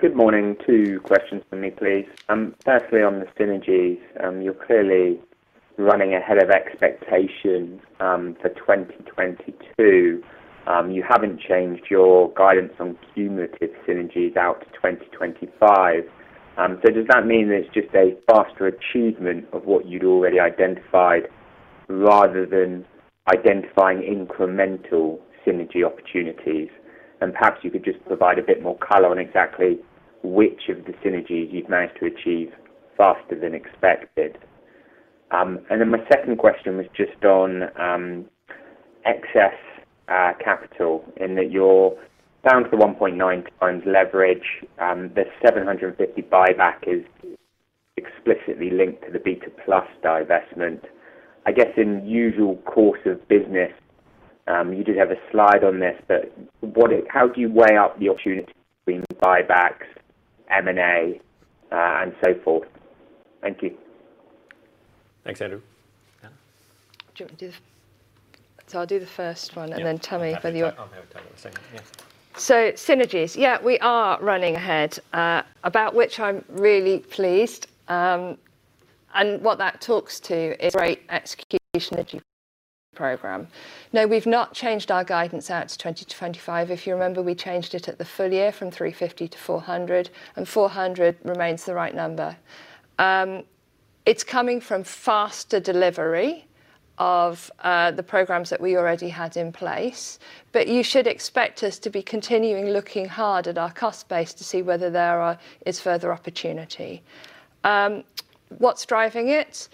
Good morning. Two questions for me, please. Firstly, on the synergies, you're clearly running ahead of expectation for 2022. You haven't changed your guidance on cumulative synergies out to 2025. Does that mean there's just a faster achievement of what you'd already identified rather than identifying incremental synergy opportunities? Perhaps you could just provide a bit more color on exactly which of the synergies you've managed to achieve faster than expected. My second question was just on excess capital in that you're down to the 1.9 times leverage. The 750 buyback is explicitly linked to the BETA+ divestment. I guess in usual course of business, you did have a slide on this, but how do you weigh up the opportunity between buybacks, M&A, and so forth? Thank you. Thanks, Andrew. Anna? Do you want me to do? I'll do the first one. Yes. I'll have [inaudible] on the second, yes. Synergies. Yes, we are running ahead, about which I'm really pleased. What that talks to is great execution on the program. No, we've not changed our guidance out to 2025. If you remember, we changed it at the full year from 350 to 400, and 400 remains the right number. It's coming from faster delivery of the programs that we already had in place. You should expect us to be continuing looking hard at our cost base to see whether there is further opportunity. What's driving it?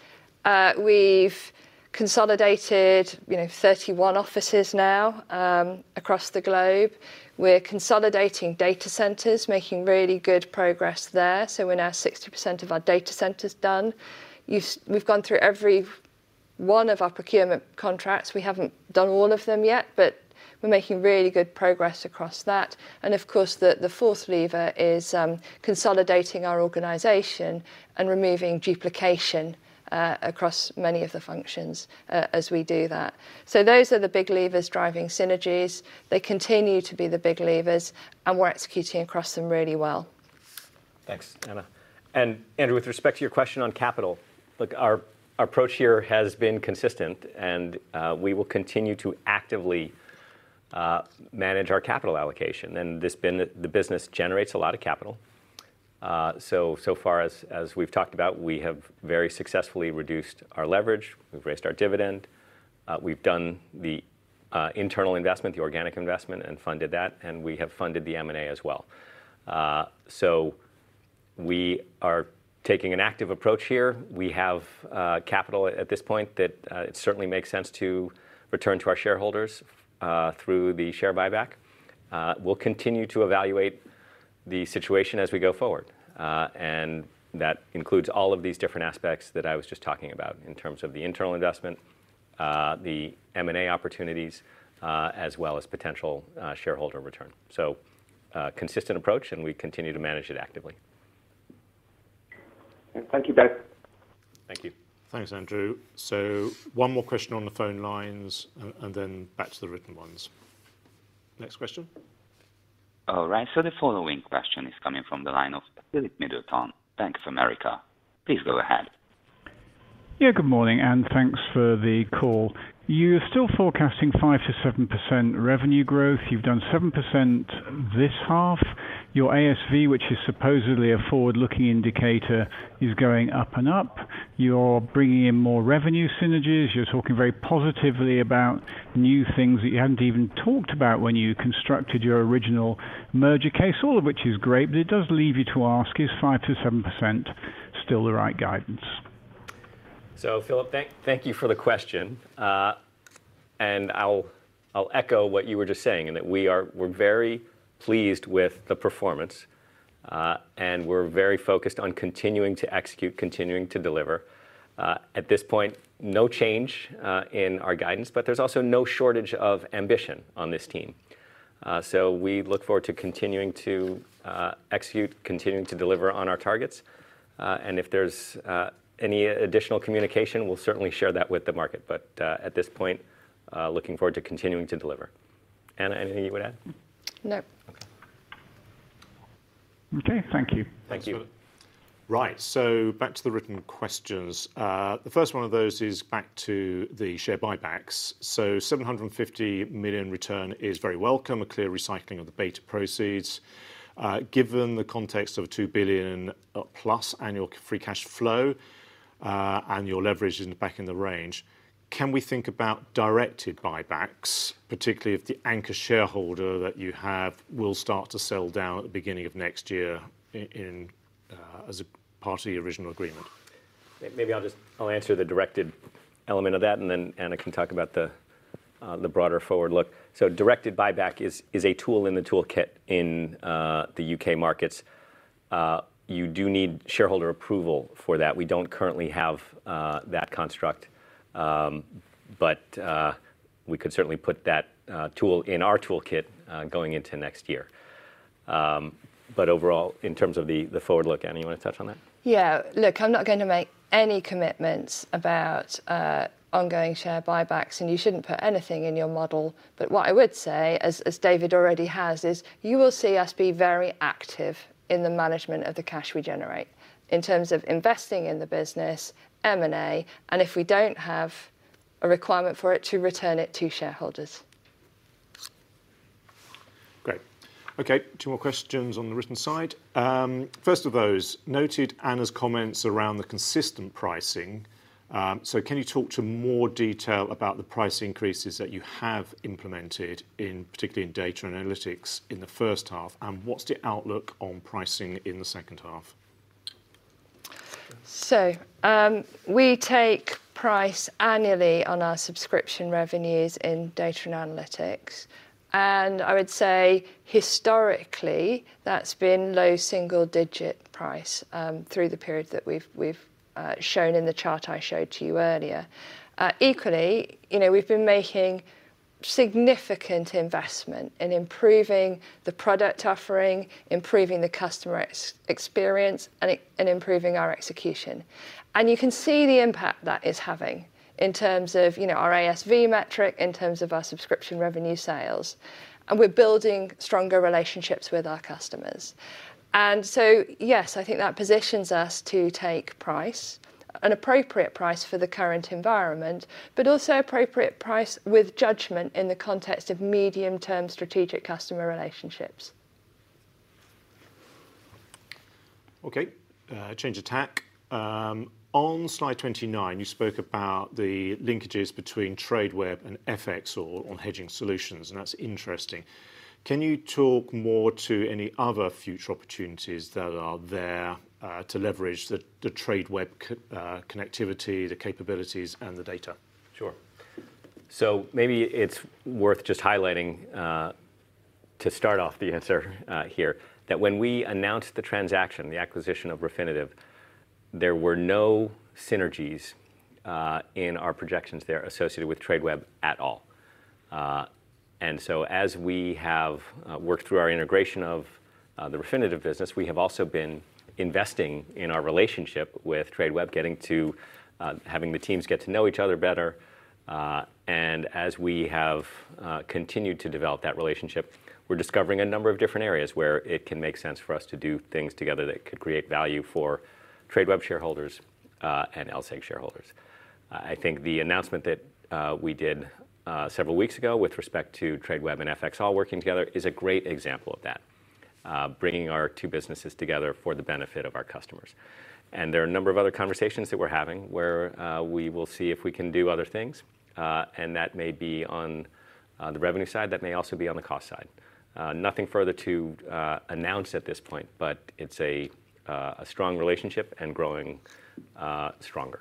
We've consolidated 31 offices now across the globe. We're consolidating data centers, making really good progress there. We're now 60% of our data centers done. We've gone through every one of our procurement contracts. We haven't done all of them yet, but we're making really good progress across that. Of course, the fourth lever is consolidating our organization and removing duplication across many of the functions as we do that. Those are the big levers driving synergies. They continue to be the big levers, and we're executing across them really well. Thanks, Anna. Andrew, with respect to your question on capital, look, our approach here has been consistent, and we will continue to actively manage our capital allocation. The business generates a lot of capital. So far as we've talked about, we have very successfully reduced our leverage, we've raised our dividend, we've done the internal investment, the organic investment, and funded that, and we have funded the M&A as well. We are taking an active approach here. We have capital at this point that it certainly makes sense to return to our shareholders through the share buyback. We'll continue to evaluate the situation as we go forward, and that includes all of these different aspects that I was just talking about in terms of the internal investment, the M&A opportunities, as well as potential shareholder return. Consistent approach, and we continue to manage it actively. Thank you, Dave. Thank you. Thanks, Andrew. One more question on the phone lines and then back to the written ones. Next question. All right. The following question is coming from the line of Philip Middleton, Bank of America. Please go ahead. Yes. Good morning, and thanks for the call. You're still forecasting 5%-7% revenue growth. You've done 7% this half. Your ASV, which is supposedly a forward-looking indicator, is going up and up. You're bringing in more revenue synergies. You're talking very positively about new things that you hadn't even talked about when you constructed your original merger case, all of which is great, but it does leave you to ask, is 5%-7% still the right guidance? Philip, thank you for the question. I'll echo what you were just saying in that we're very pleased with the performance, and we're very focused on continuing to execute, continuing to deliver. At this point, no change in our guidance, but there's also no shortage of ambition on this team. We look forward to continuing to execute, continuing to deliver on our targets, and if there's any additional communication, we'll certainly share that with the market. At this point, looking forward to continuing to deliver. Anna, anything you would add? No. Okay. Thank you. Thanks, Philip. Right. Back to the written questions. The first one of those is back to the share buybacks. 750 million return is very welcome, a clear recycling of the BETA+ proceeds. Given the context of 2 billion plus annual free cash flow, annual leverage in the band, back in the range, can we think about directed buybacks, particularly if the anchor shareholder that you have will start to sell down at the beginning of next year as a part of the original agreement? Maybe I'll just answer the directed element of that, and then Anna can talk about the broader forward look. Directed buyback is a tool in the toolkit in the U.K. markets. You do need shareholder approval for that. We don't currently have that construct, but we could certainly put that tool in our toolkit going into next year. Overall, in terms of the forward look, Anna, you want to touch on that? Yes. Look, I'm not going to make any commitments about ongoing share buybacks, and you shouldn't put anything in your model. What I would say, as David already has, is you will see us be very active in the management of the cash we generate in terms of investing in the business, M&A, and if we don't have a requirement for it to return it to shareholders. Great. Okay. Two more questions on the written side. First of those, noted Anna's comments around the consistent pricing, so can you talk in more detail about the price increases that you have implemented, particularly in Data and Analytics in the first half, and what's the outlook on pricing in the second half? We take price annually on our subscription revenues in Data and Analytics, and I would say historically, that's been low single digit price through the period that we've shown in the chart I showed to you earlier. Equally, we've been making significant investment in improving the product offering, improving the customer experience, and improving our execution. You can see the impact that is having in terms of our ASV metric, in terms of our subscription revenue sales, and we're building stronger relationships with our customers. Yes, I think that positions us to take price, an appropriate price for the current environment, but also appropriate price with judgment in the context of medium-term strategic customer relationships. Okay. Change of tack. On Slide 29, you spoke about the linkages between Tradeweb and FXall on hedging solutions, and that's interesting. Can you talk more to any other future opportunities that are there to leverage the Tradeweb connectivity, the capabilities and the data? Sure. Maybe it's worth just highlighting, to start off the answer here, that when we announced the transaction, the acquisition of Refinitiv, there were no synergies in our projections there associated with Tradeweb at all. As we have worked through our integration of the Refinitiv business, we have also been investing in our relationship with Tradeweb, getting to having the teams get to know each other better. As we have continued to develop that relationship, we're discovering a number of different areas where it can make sense for us to do things together that could create value for Tradeweb shareholders and LSEG shareholders. I think the announcement that we did several weeks ago with respect to Tradeweb and FXall working together is a great example of that, bringing our two businesses together for the benefit of our customers. There are a number of other conversations that we're having where we will see if we can do other things, and that may be on the revenue side. That may also be on the cost side. Nothing further to announce at this point, but it's a strong relationship and growing stronger.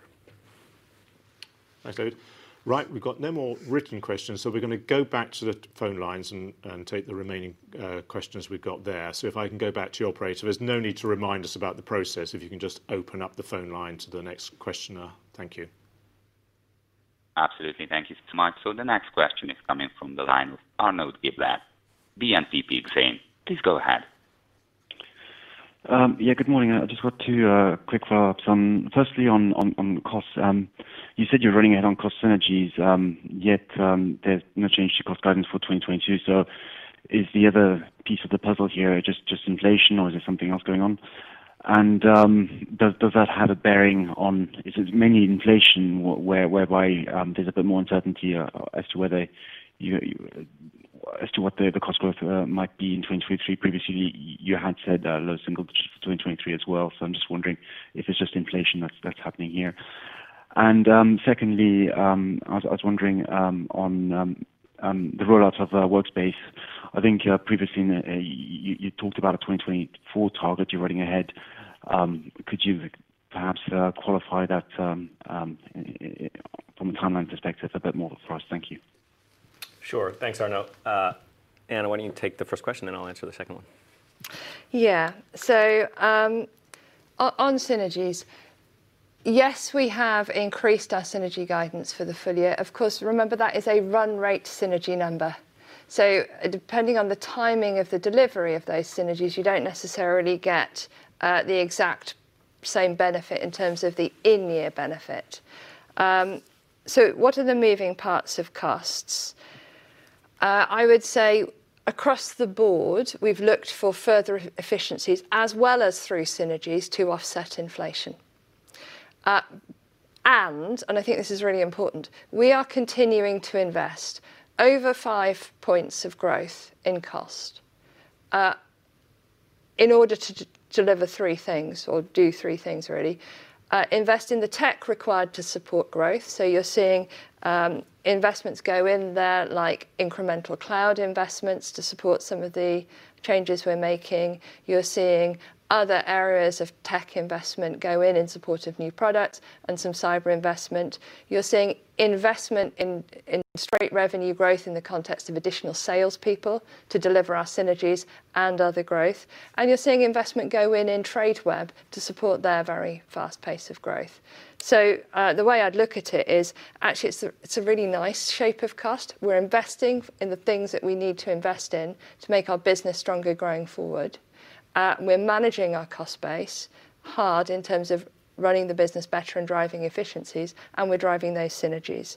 Right. We've got no more written questions, so we're going to go back to the phone lines and take the remaining questions we've got there. If I can go back to you, operator. There's no need to remind us about the process. If you can just open up the phone line to the next questioner. Thank you. Absolutely. Thank you so much. The next question is coming from the line of Arnaud Giblat, BNP Exane. Please go ahead. Yes, good morning. I just want to quick follow-up, firstly, on costs. You said you're running ahead on cost synergies, yet there's no change to cost guidance for 2022. Is the other piece of the puzzle here just inflation or is there something else going on? Does that have a bearing on... Is it mainly inflation whereby there's a bit more uncertainty as to what the cost growth might be in 2023? Previously, you had said a low single digit for 2023 as well, so I'm just wondering if it's just inflation that's happening here. Secondly, I was wondering on the rollout of Workspace. I think previously you talked about a 2024 target you're running ahead. Could you perhaps qualify that from a timeline perspective a bit more for us? Thank you. Sure. Thanks, Arnaud. Anna, why don't you take the first question, then I'll answer the second one. Yes. On synergies, yes, we have increased our synergy guidance for the full year. Of course, remember that is a run rate synergy number. Depending on the timing of the delivery of those synergies, you don't necessarily get the exact same benefit in terms of the in-year benefit. What are the moving parts of costs? I would say across the board, we've looked for further efficiencies as well as through synergies to offset inflation. I think this is really important, we are continuing to invest over five points of growth in cost in order to deliver three things or do three things really. Invest in the tech required to support growth. You're seeing investments go in there like incremental cloud investments to support some of the changes we're making. You're seeing other areas of tech investment go in support of new products and some cyber investment. You're seeing investment in straight revenue growth in the context of additional sales people to deliver our synergies and other growth. You're seeing investment go in Tradeweb to support their very fast pace of growth. The way I'd look at it is actually it's a really nice shape of cost. We're investing in the things that we need to invest in to make our business stronger growing forward. We're managing our cost base hard in terms of running the business better and driving efficiencies, and we're driving those synergies.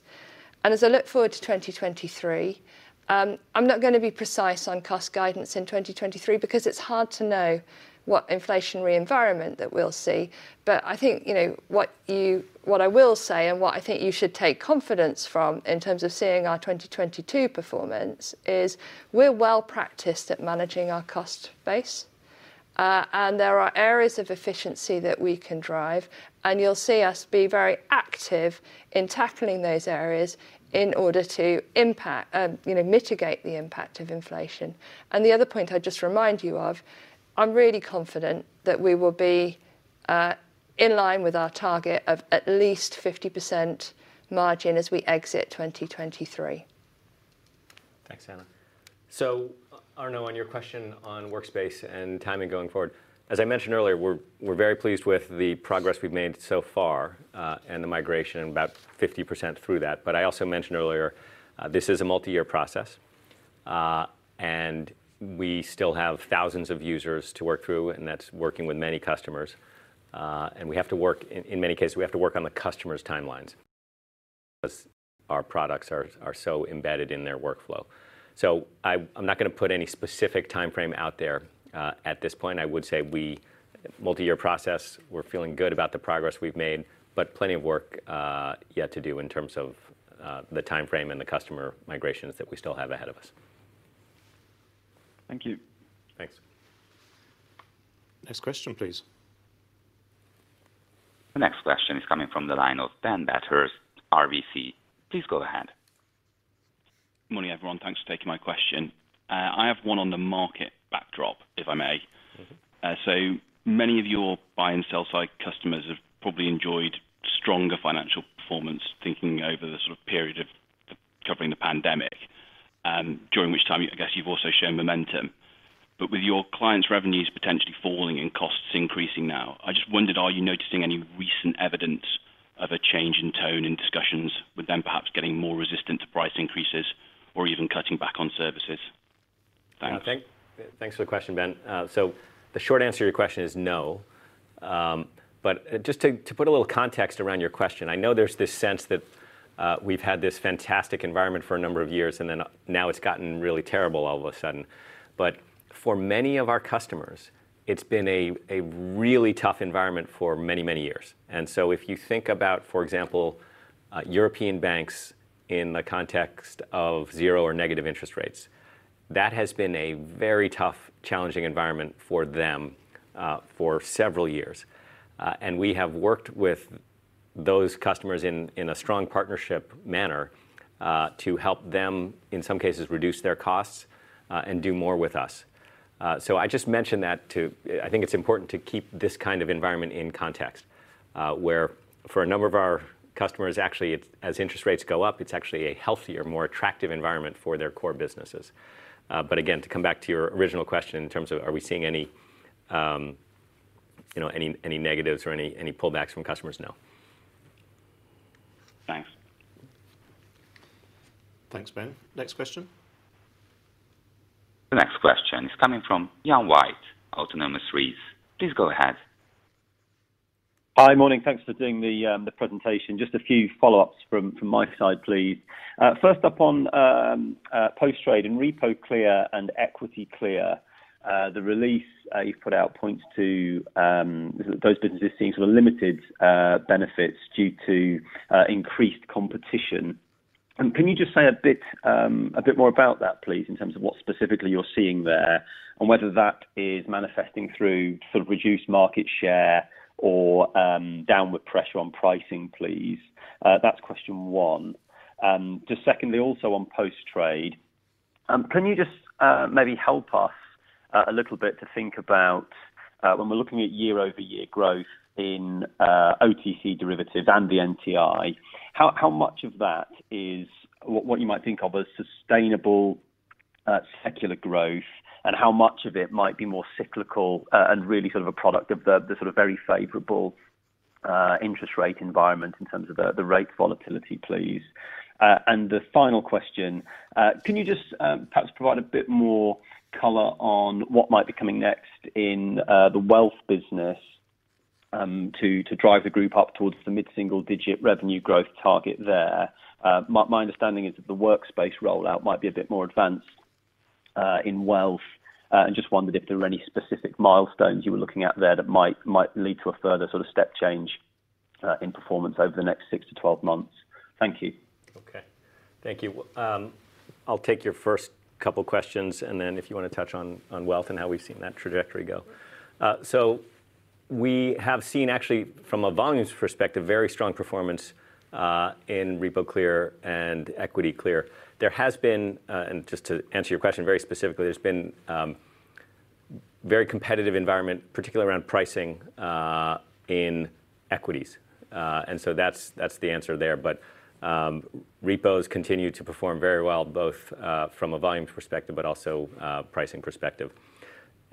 As I look forward to 2023, I'm not going to be precise on cost guidance in 2023 because it's hard to know what inflationary environment that we'll see. I think, what I will say and what I think you should take confidence from in terms of seeing our 2022 performance is we're well-practiced at managing our cost base. There are areas of efficiency that we can drive, and you'll see us be very active in tackling those areas in order to mitigate the impact of inflation. The other point I'd just remind you of, I'm really confident that we will be in line with our target of at least 50% margin as we exit 2023. Thanks, Anna. Arnaud, on your question on Workspace and timing going forward, as I mentioned earlier, we're very pleased with the progress we've made so far, and the migration about 50% through that. I also mentioned earlier, this is a multi-year process, and we still have thousands of users to work through, and that's working with many customers. In many cases, we have to work on the customer's timelines because our products are so embedded in their workflow. I'm not going to put any specific timeframe out there, at this point. I would say multi-year process, we're feeling good about the progress we've made, but plenty of work yet to do in terms of the timeframe and the customer migrations that we still have ahead of us. Thank you. Thanks. Next question, please. The next question is coming from the line of Ben Bathurst, RBC. Please go ahead. Good morning, everyone. Thanks for taking my question. I have one on the market backdrop, if I may. Many of your buy and sell side customers have probably enjoyed stronger financial performance thinking over the period of covering the pandemic, during which time I guess you've also shown momentum. With your clients' revenues potentially falling and costs increasing now, I just wondered, are you noticing any recent evidence of a change in tone in discussions with them perhaps getting more resistant to price increases or even cutting back on services? Thanks. Thanks for the question, Ben. The short answer to your question is no. Just to put a little context around your question, I know there's this sense that we've had this fantastic environment for a number of years, and then now it's gotten really terrible all of a sudden. For many of our customers, it's been a really tough environment for many, many years. If you think about, for example, European banks in the context of zero or negative interest rates, that has been a very tough, challenging environment for them for several years. We have worked with those customers in a strong partnership manner to help them, in some cases, reduce their costs and do more with us. I just mention that too. I think it's important to keep this environment in context, where for a number of our customers, actually as interest rates go up, it's actually a healthier, more attractive environment for their core businesses. Again, to come back to your original question in terms of are we seeing any negatives or any pullbacks from customers? No. Thanks. Thanks, Ben. Next question. The next question is coming from Ian White, Autonomous Research. Please go ahead. Hi. Morning. Thanks for doing the presentation. Just a few follow-ups from my side, please. First up on Post Trade and RepoClear and EquityClear. The release you've put out points to those businesses seeing limited benefits due to increased competition. Can you just say a bit more about that, please, in terms of what specifically you're seeing there and whether that is manifesting through reduced market share or downward pressure on pricing, please? That's question one. Just secondly, also on Post Trade, can you just maybe help us a little bit to think about when we're looking at year-over-year growth in OTC derivatives and the NTI, how much of that is what you might think of as sustainable secular growth, and how much of it might be more cyclical and really a product of the very favorable interest rate environment in terms of the rate volatility, please? The final question, can you just perhaps provide a bit more color on what might be coming next in the wealth business to drive the group up towards the mid-single-digit revenue growth target there? My understanding is that the Workspace rollout might be a bit more advanced in wealth. Just wondered if there were any specific milestones you were looking at there that might lead to a further step change in performance over the next 6-12 months. Thank you. Okay. Thank you. I'll take your first couple questions, and then if you want to touch on wealth and how we've seen that trajectory go. We have seen actually, from a volumes perspective, very strong performance in RepoClear and EquityClear. Just to answer your question very specifically, there's been a very competitive environment, particularly around pricing, in equities. That's the answer there. Repos continue to perform very well, both from a volumes perspective, but also a pricing perspective.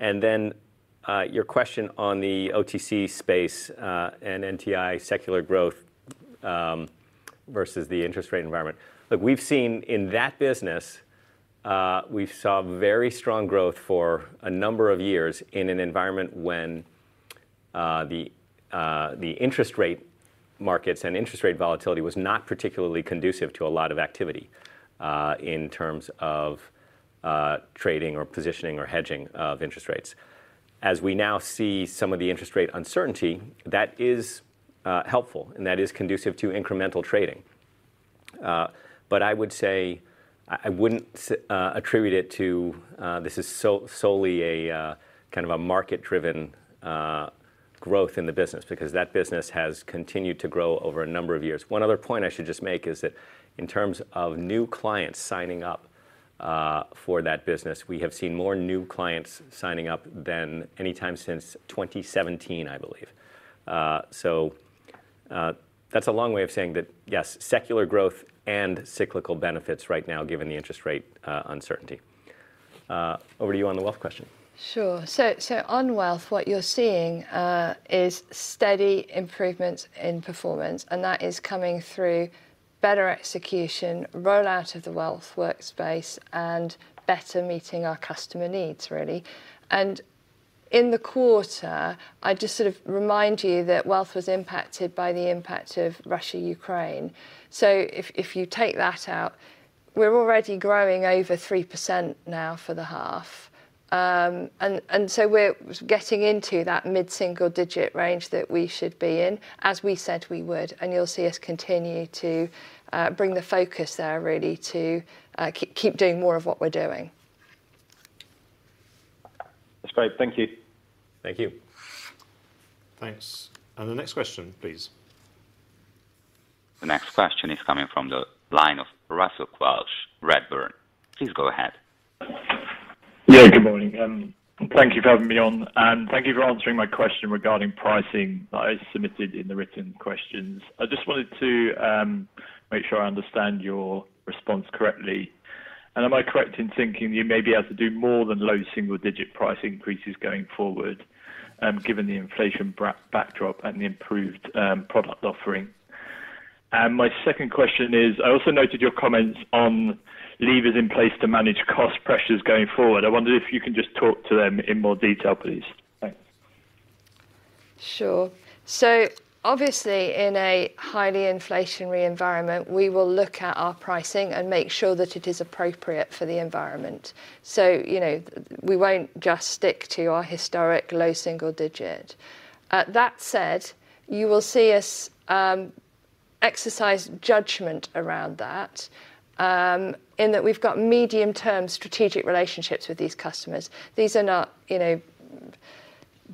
Your question on the OTC space and NTI secular growth versus the interest rate environment. Look, we've seen. In that business, we saw very strong growth for a number of years in an environment when the interest rate markets and interest rate volatility was not particularly conducive to a lot of activity in terms of trading or positioning or hedging of interest rates. As we now see some of the interest rate uncertainty, that is helpful and that is conducive to incremental trading. I would say I wouldn't attribute it to this is solely a a market-driven growth in the business, because that business has continued to grow over a number of years. One other point I should just make is that in terms of new clients signing up for that business, we have seen more new clients signing up than any time since 2017, I believe. That's a long way of saying that, yes, secular growth and cyclical benefits right now, given the interest rate uncertainty. Over to you on the wealth question. Sure. On wealth, what you're seeing is steady improvements in performance, and that is coming through better execution, rollout of the wealth workspace, and better meeting our customer needs, really. In the quarter, I'd just remind you that wealth was impacted by the impact of Russia-Ukraine. If you take that out, we're already growing over 3% now for the half. We're getting into that mid-single digit range that we should be in, as we said we would. You'll see us continue to bring the focus there really to keep doing more of what we're doing. That's great. Thank you. Thank you. Thanks. The next question, please. The next question is coming from the line of Russell Quelch, Redburn. Please go ahead. Yes, good morning. Thank you for having me on, and thank you for answering my question regarding pricing that I submitted in the written questions. I just wanted to make sure I understand your response correctly. Am I correct in thinking you may be able to do more than low single-digit price increases going forward, given the inflation backdrop and the improved product offerings? My second question is, I also noted your comments on levers in place to manage cost pressures going forward. I wonder if you can just talk to them in more detail, please. Thanks. Sure. Obviously, in a highly inflationary environment, we will look at our pricing and make sure that it is appropriate for the environment. We won't just stick to our historic low single-digit. That said, you will see us exercise judgment around that, in that we've got medium-term strategic relationships with these customers. These are not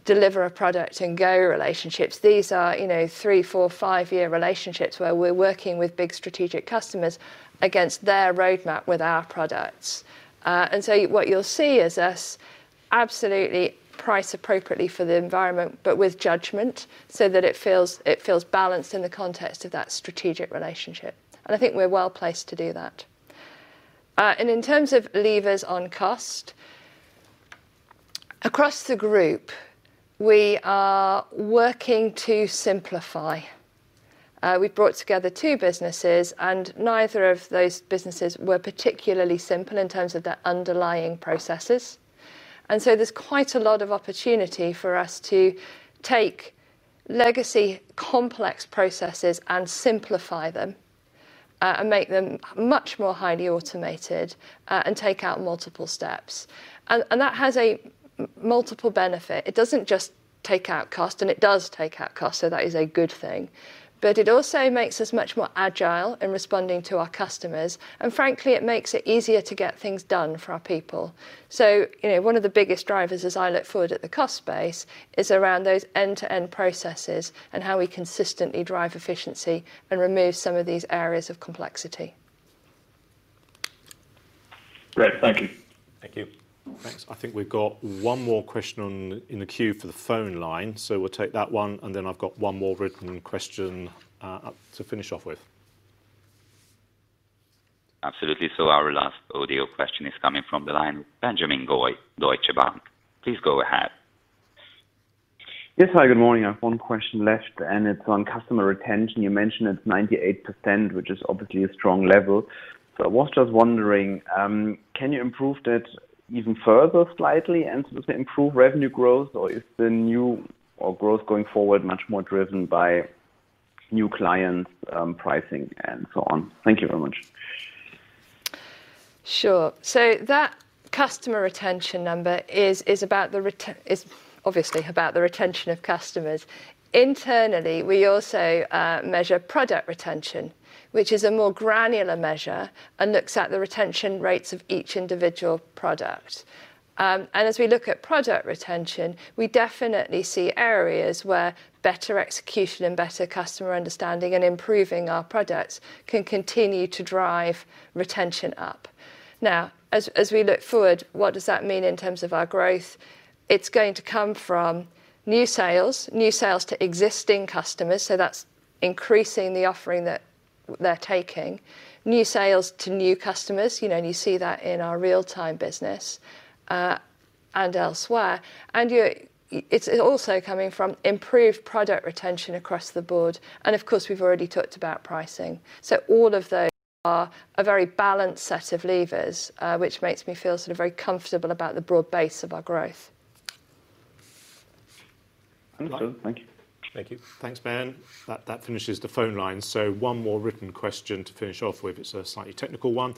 deliver a product and go relationships. These are three, four, or five-year relationships where we're working with big strategic customers against their roadmap with our products. What you'll see is us absolutely price appropriately for the environment, but with judgment so that it feels balanced in the context of that strategic relationship. I think we're well-placed to do that. In terms of levers on cost, across the group, we are working to simplify. We brought together two businesses, and neither of those businesses were particularly simple in terms of their underlying processes. There's quite a lot of opportunity for us to take legacy complex processes and simplify them, and make them much more highly automated, and take out multiple steps. That has a multiple benefit. It doesn't just take out cost, and it does take out cost, so that is a good thing, but it also makes us much more agile in responding to our customers. Frankly, it makes it easier to get things done for our people. One of the biggest drivers as I look forward at the cost base is around those end-to-end processes and how we consistently drive efficiency and remove some of these areas of complexity. Great. Thank you. Thank you. Thanks. I think we've got one more question in the queue for the phone line, so we'll take that one, and then I've got one more written question to finish off with. Absolutely. Our last audio question is coming from the line of Benjamin Goy, Deutsche Bank. Please go ahead. Yes. Hi, good morning. I have one question left, and it's on customer retention. You mentioned it's 98%, which is obviously a strong level. I was just wondering, can you improve that even further slightly and to improve revenue growth, or is growth going forward much more driven by new clients, pricing and so on? Thank you very much. Sure. That customer retention number is obviously about the retention of customers. Internally, we also measure product retention, which is a more granular measure and looks at the retention rates of each individual product. As we look at product retention, we definitely see areas where better execution and better customer understanding and improving our products can continue to drive retention up. Now, as we look forward, what does that mean in terms of our growth? It's going to come from new sales, new sales to existing customers, so that's increasing the offering that they're taking, new sales to new customers, and you see that in our real-time business, and elsewhere. It's also coming from improved product retention across the board. Of course, we've already talked about pricing. All of those are a very balanced set of levers, which makes me feel very comfortable about the broad base of our growth. Understood. Thank you. Thank you. Thanks, Ben. That finishes the phone line. One more written question to finish off with. It's a slightly technical one.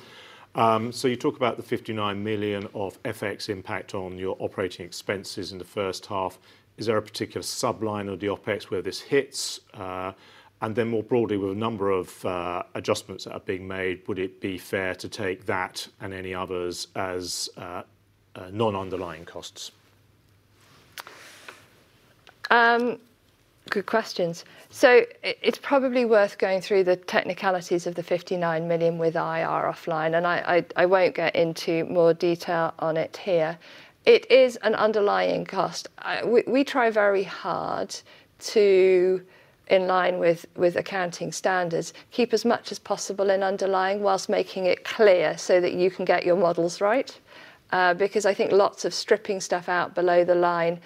You talk about the 59 million of FX impact on your operating expenses in the first half. Is there a particular sub-line of the OpEx where this hits? Then more broadly, with a number of adjustments that are being made, would it be fair to take that and any others as non-underlying costs? Good questions. It's probably worth going through the technicalities of the 59 million with IR offline, and I won't get into more detail on it here. It is an underlying cost. We try very hard to, in line with accounting standards, keep as much as possible in underlying while making it clear so that you can get your models right, because I think lots of stripping stuff out below the line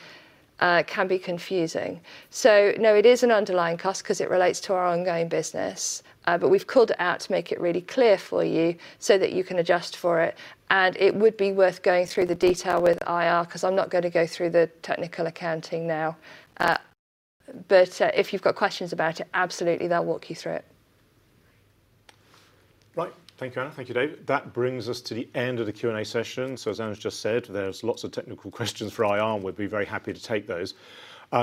can be confusing. No, it is an underlying cost because it relates to our ongoing business, but we've called it out to make it really clear for you so that you can adjust for it. It would be worth going through the detail with IR because I'm not going to go through the technical accounting now. If you've got questions about it, absolutely, they'll walk you through it. Right. Thank you, Anna. Thank you, David. That brings us to the end of the Q&A session. As Anna just said, there's lots of technical questions for IR, and we'd be very happy to take those.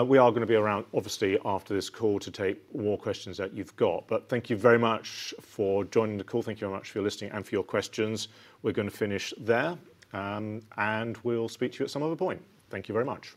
We are going to be around obviously after this call to take more questions that you've got. Thank you very much for joining the call. Thank you very much for your listening and for your questions. We're going to finish there. We'll speak to you at some other point. Thank you very much.